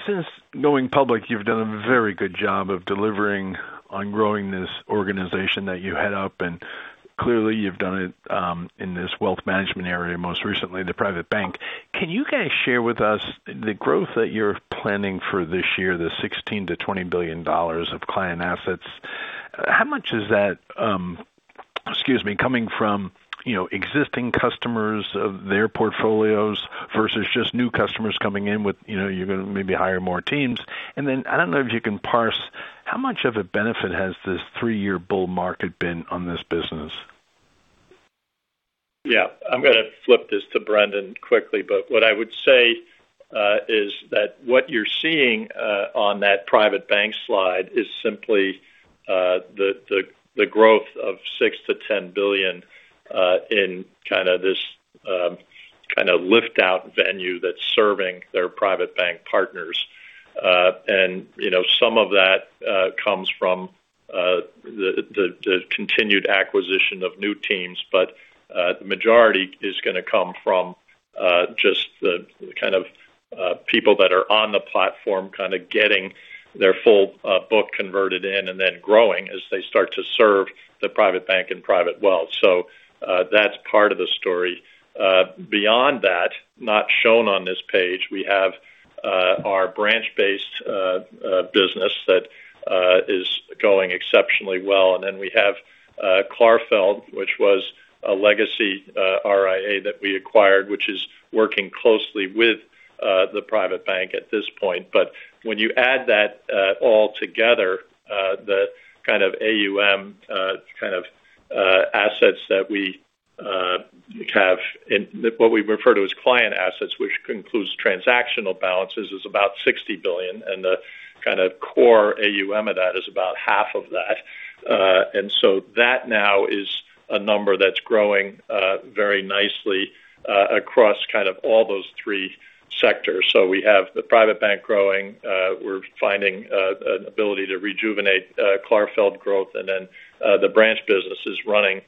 since going public, you've done a very good job of delivering on growing this organization that you head up, and clearly you've done it, in this wealth management area most recently, the Private Bank. Can you guys share with us the growth that you're planning for this year, the $16 billion-$20 billion of client assets? How much is that, excuse me, coming from, you know, existing customers of their portfolios versus just new customers coming in with, you know, you're going to maybe hire more teams? And then I don't know if you can parse, how much of a benefit has this three-year bull market been on this business? Yeah. I'm going to flip this to Brendan quickly, but what I would say is that what you're seeing on that private bank slide is simply the growth of $6 billion-$10 billion in this kind of lift-out venue that's serving their private bank partners. And you know, some of that comes from the continued acquisition of new teams, but the majority is going to come from just the kind of people that are on the platform kind of getting their full book converted in and then growing as they start to serve the private bank and Private Wealth. So that's part of the story. Beyond that, not shown on this page, we have our branch-based business that is going exceptionally well. And then we have Clarfeld, which was a legacy RIA that we acquired, which is working closely with the private bank at this point. But when you add that all together, the kind of AUM, kind of, assets that we have in what we refer to as client assets, which includes transactional balances, is about $60 billion, and the kind of core AUM of that is about $30 billion. And so that now is a number that's growing very nicely across kind of all those three sectors. So we have the private bank growing, we're finding an ability to rejuvenate Clarfeld growth, and then the branch business is running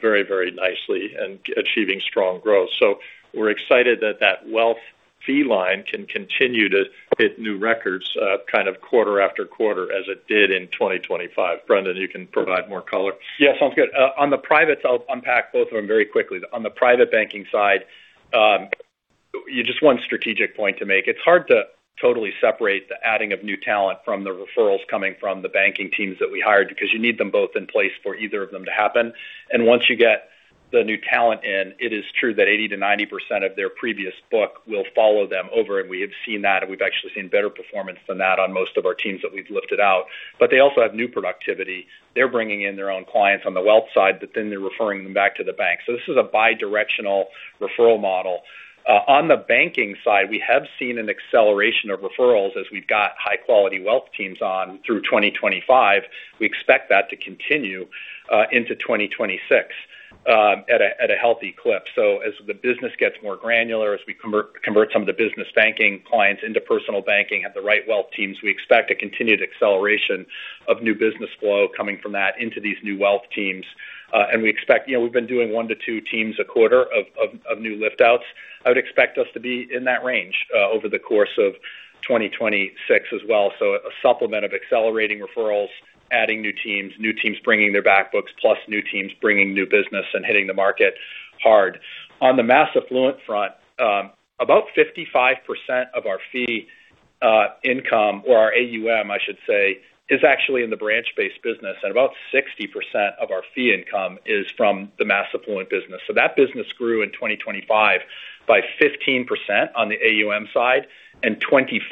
very, very nicely and achieving strong growth. So we're excited that that wealth fee line can continue to hit new records, kind of quarter after quarter as it did in 2025. Brendan, you can provide more color. Yeah. Sounds good. On the privates, I'll unpack both of them very quickly. On the private banking side, you just one strategic point to make. It's hard to totally separate the adding of new talent from the referrals coming from the banking teams that we hired because you need them both in place for either of them to happen. And once you get the new talent in, it is true that 80%-90% of their previous book will follow them over, and we have seen that, and we've actually seen better performance than that on most of our teams that we've lifted out. But they also have new productivity. They're bringing in their own clients on the wealth side, but then they're referring them back to the bank. So this is a bi-directional referral model. On the banking side, we have seen an acceleration of referrals as we've got high-quality wealth teams on through 2025. We expect that to continue into 2026 at a healthy clip. So as the business gets more granular, as we convert some of the business banking clients into personal banking, have the right wealth teams, we expect a continued acceleration of new business flow coming from that into these new wealth teams. And we expect, you know, we've been doing one to two teams a quarter of new lift-outs. I would expect us to be in that range over the course of 2026 as well. So a supplement of accelerating referrals, adding new teams, new teams bringing their back-books, plus new teams bringing new business and hitting the market hard. On the mass affluent front, about 55% of our fee income or our AUM, I should say, is actually in the branch-based business, and about 60% of our fee income is from the mass affluent business. So that business grew in 2025 by 15% on the AUM side and 25%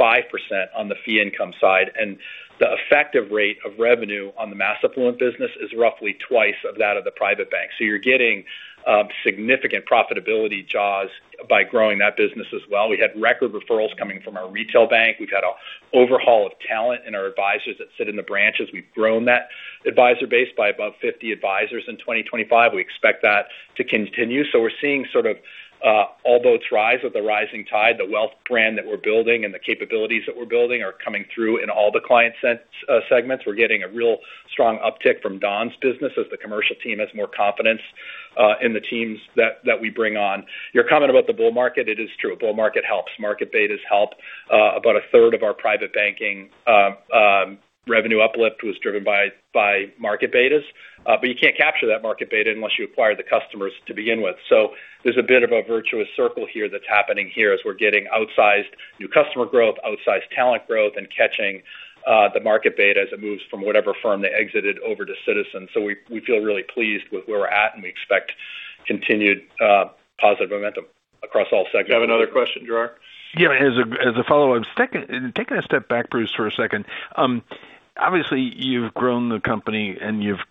on the fee income side. And the effective rate of revenue on the mass affluent business is roughly twice of that of the private bank. So you're getting significant profitability jaws by growing that business as well. We had record referrals coming from our retail bank. We've had an overhaul of talent in our advisors that sit in the branches. We've grown that advisor base by above 50 advisors in 2025. We expect that to continue. So we're seeing sort of all boats rise with the rising tide. The wealth brand that we're building and the capabilities that we're building are coming through in all the client segments. We're getting a real strong uptick from Don's business as the commercial team has more confidence in the teams that we bring on. You're commenting about the bull market. It is true. Bull market helps. Market betas help. About a third of our private banking revenue uplift was driven by market betas. But you can't capture that market beta unless you acquire the customers to begin with. So there's a bit of a virtuous circle here that's happening as we're getting outsized new customer growth, outsized talent growth, and catching the market beta as it moves from whatever firm they exited over to Citizens. So we feel really pleased with where we're at, and we expect continued positive momentum across all segments. You have another question, Gerard? Yeah. As a follow-up, taking a step back, Bruce, for a second. Obviously, you've grown the company and you've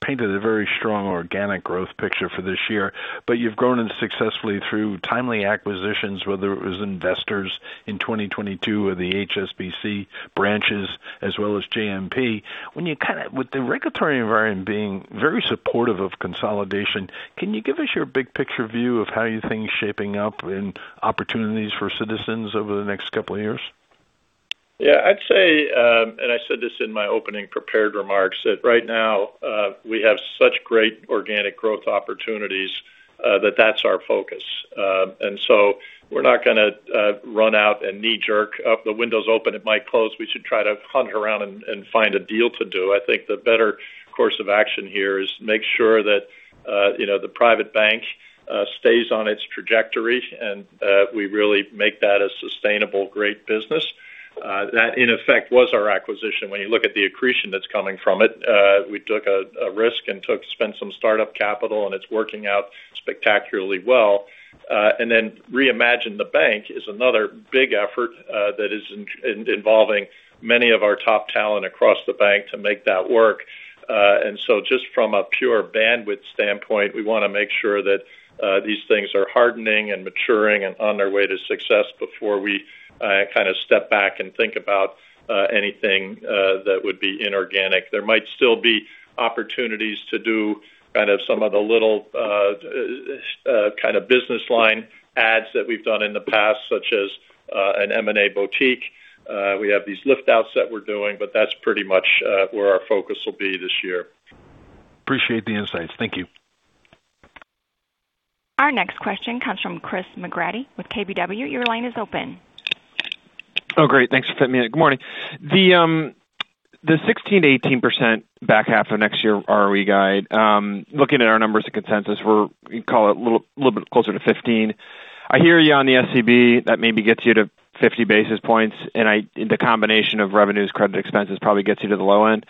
painted a very strong organic growth picture for this year, but you've grown it successfully through timely acquisitions, whether it was Investors in 2022 or the HSBC branches as well as JMP. When you kind of, with the regulatory environment being very supportive of consolidation, can you give us your big picture view of how you think shaping up in opportunities for Citizens over the next couple of years? Yeah. I'd say, and I said this in my opening prepared remarks, that right now, we have such great organic growth opportunities, that that's our focus, and so we're not going to run out and knee-jerk, the window's open, it might close. We should try to hunt around and find a deal to do. I think the better course of action here is make sure that, you know, the private bank stays on its trajectory and we really make that a sustainable, great business. That in effect was our acquisition. When you look at the accretion that's coming from it, we took a risk and spent some startup capital, and it's working out spectacularly well. Then Reimagine the Bank is another big effort that is involving many of our top talent across the bank to make that work. So just from a pure bandwidth standpoint, we want to make sure that these things are hardening and maturing and on their way to success before we kind of step back and think about anything that would be inorganic. There might still be opportunities to do kind of some of the little, kind of business line adds that we've done in the past, such as, an M&A boutique. We have these lift-outs that we're doing, but that's pretty much where our focus will be this year. Appreciate the insights. Thank you. Our next question comes from Chris McGratty with KBW. Your line is open. Oh, great. Thanks for fitting me in. Good morning. The 16%-18% back half of next year ROE guide, looking at our numbers and consensus, we're, you call it a little bit closer to 15. I hear you on the SCB that maybe gets you to 50 basis points, and the combination of revenues, credit, expenses probably gets you to the low end.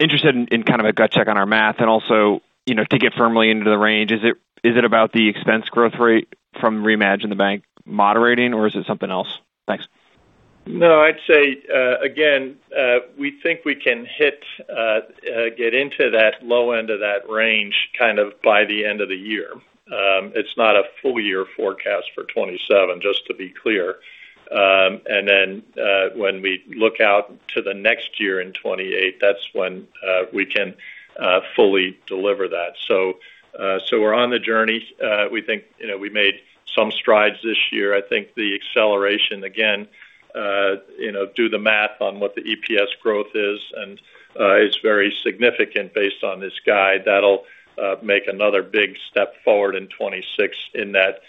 Interested in, in kind of a gut check on our math and also, you know, to get firmly into the range. Is it, is it about the expense growth rate from Reimagine the Bank moderating, or is it something else? Thanks. No, I'd say, again, we think we can hit, get into that low end of that range kind of by the end of the year. It's not a full year forecast for 2027, just to be clear. And then, when we look out to the next year in 2028, that's when, we can, fully deliver that. So, so we're on the journey. We think, you know, we made some strides this year. I think the acceleration again, you know, do the math on what the EPS growth is, and, it's very significant based on this guide. That'll, make another big step forward in 2026 in that,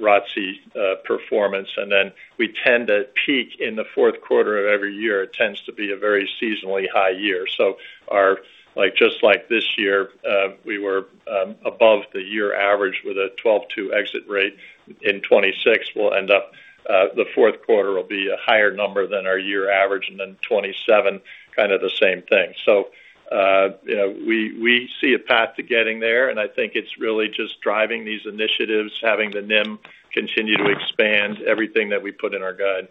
ROTCE, performance. Then we tend to peak in the fourth quarter of every year. It tends to be a very seasonally high year. So our, like, just like this year, we were above the year average with a 1.22 exit rate in 2026. We'll end up; the fourth quarter will be a higher number than our year average, and then 2027, kind of the same thing. So, you know, we see a path to getting there, and I think it's really just driving these initiatives, having the NIM continue to expand everything that we put in our guide.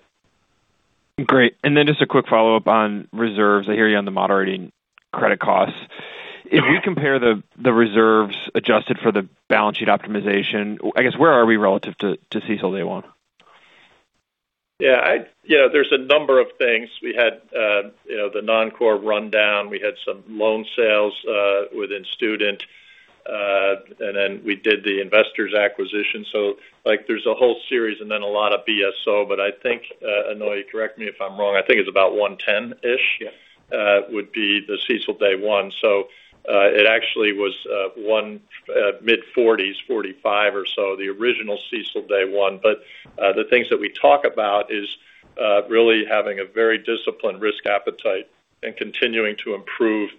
Great. And then just a quick follow-up on reserves. I hear you on the moderating credit costs. If we compare the reserves adjusted for the balance sheet optimization, I guess where are we relative to CECL Day One? Yeah. I, you know, there's a number of things. We had, you know, the non-core rundown. We had some loan sales, within student, and then we did the Investors acquisition. So, like, there's a whole series and then a lot of BSO, but I think, Aunoy, correct me if I'm wrong, I think it's about 110-ish. Yeah, would be the CECL Day One. So, it actually was, one, mid-40s, 45 or so, the original CECL Day One. But, the things that we talk about is, really having a very disciplined risk appetite and continuing to improve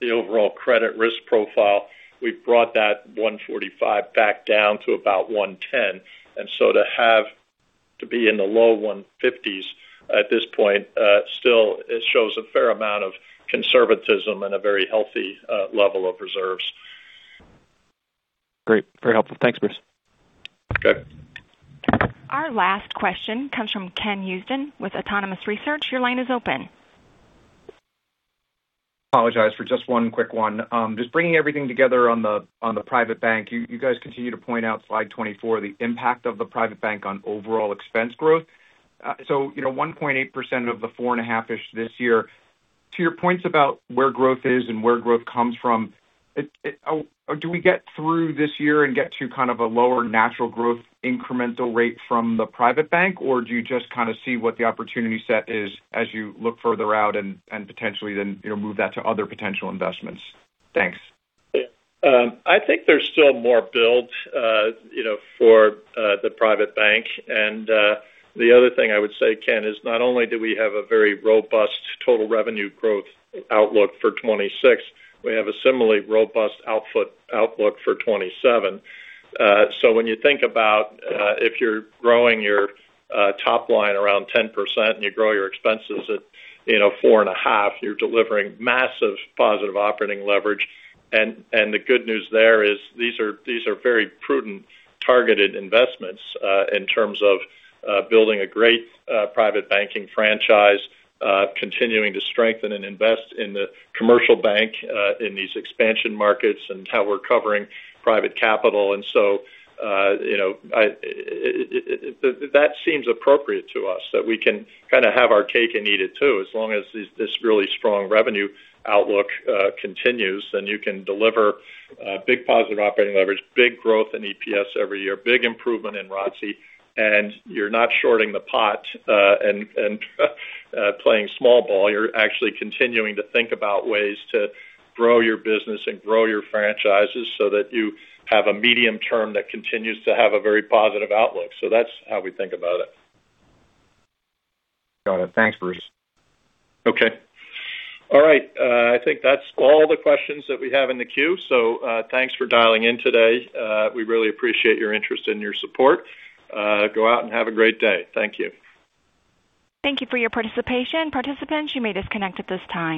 the overall credit risk profile. We've brought that 145 back down to about 110. And so to have, to be in the low 150s at this point, still, it shows a fair amount of conservatism and a very healthy, level of reserves. Great. Very helpful. Thanks, Bruce. Okay. Our last question comes from Ken Usdin with Autonomous Research. Your line is open. Apologies for just one quick one. Just bringing everything together on the Private Bank, you guys continue to point out Slide 24, the impact of the Private Bank on overall expense growth. So, you know, 1.8% of the four and a half-ish this year. To your points about where growth is and where growth comes from, it, it, do we get through this year and get to kind of a lower natural growth incremental rate from the Private Bank, or do you just kind of see what the opportunity set is as you look further out and, and potentially then, you know, move that to other potential investments? Thanks. Yeah. I think there's still more build, you know, for the Private Bank. The other thing I would say, Ken, is not only do we have a very robust total revenue growth outlook for 2026, we have a similarly robust output outlook for 2027. So when you think about, if you're growing your top line around 10% and you grow your expenses at, you know, 4.5%, you're delivering massive positive operating leverage. And the good news there is these are very prudent targeted investments, in terms of, building a great private banking franchise, continuing to strengthen and invest in the commercial bank, in these expansion markets and how we're covering private capital. And so, you know, it seems appropriate to us that we can kind of have our cake and eat it too as long as these, this really strong revenue outlook continues and you can deliver big positive operating leverage, big growth in EPS every year, big improvement in ROTCE, and you're not shorting the pot and playing small ball. You're actually continuing to think about ways to grow your business and grow your franchises so that you have a medium term that continues to have a very positive outlook. So that's how we think about it. Got it. Thanks, Bruce. Okay. All right. I think that's all the questions that we have in the queue. So, thanks for dialing in today. We really appreciate your interest and your support. Go out and have a great day. Thank you. Thank you for your participation. Participants, you may disconnect at this time.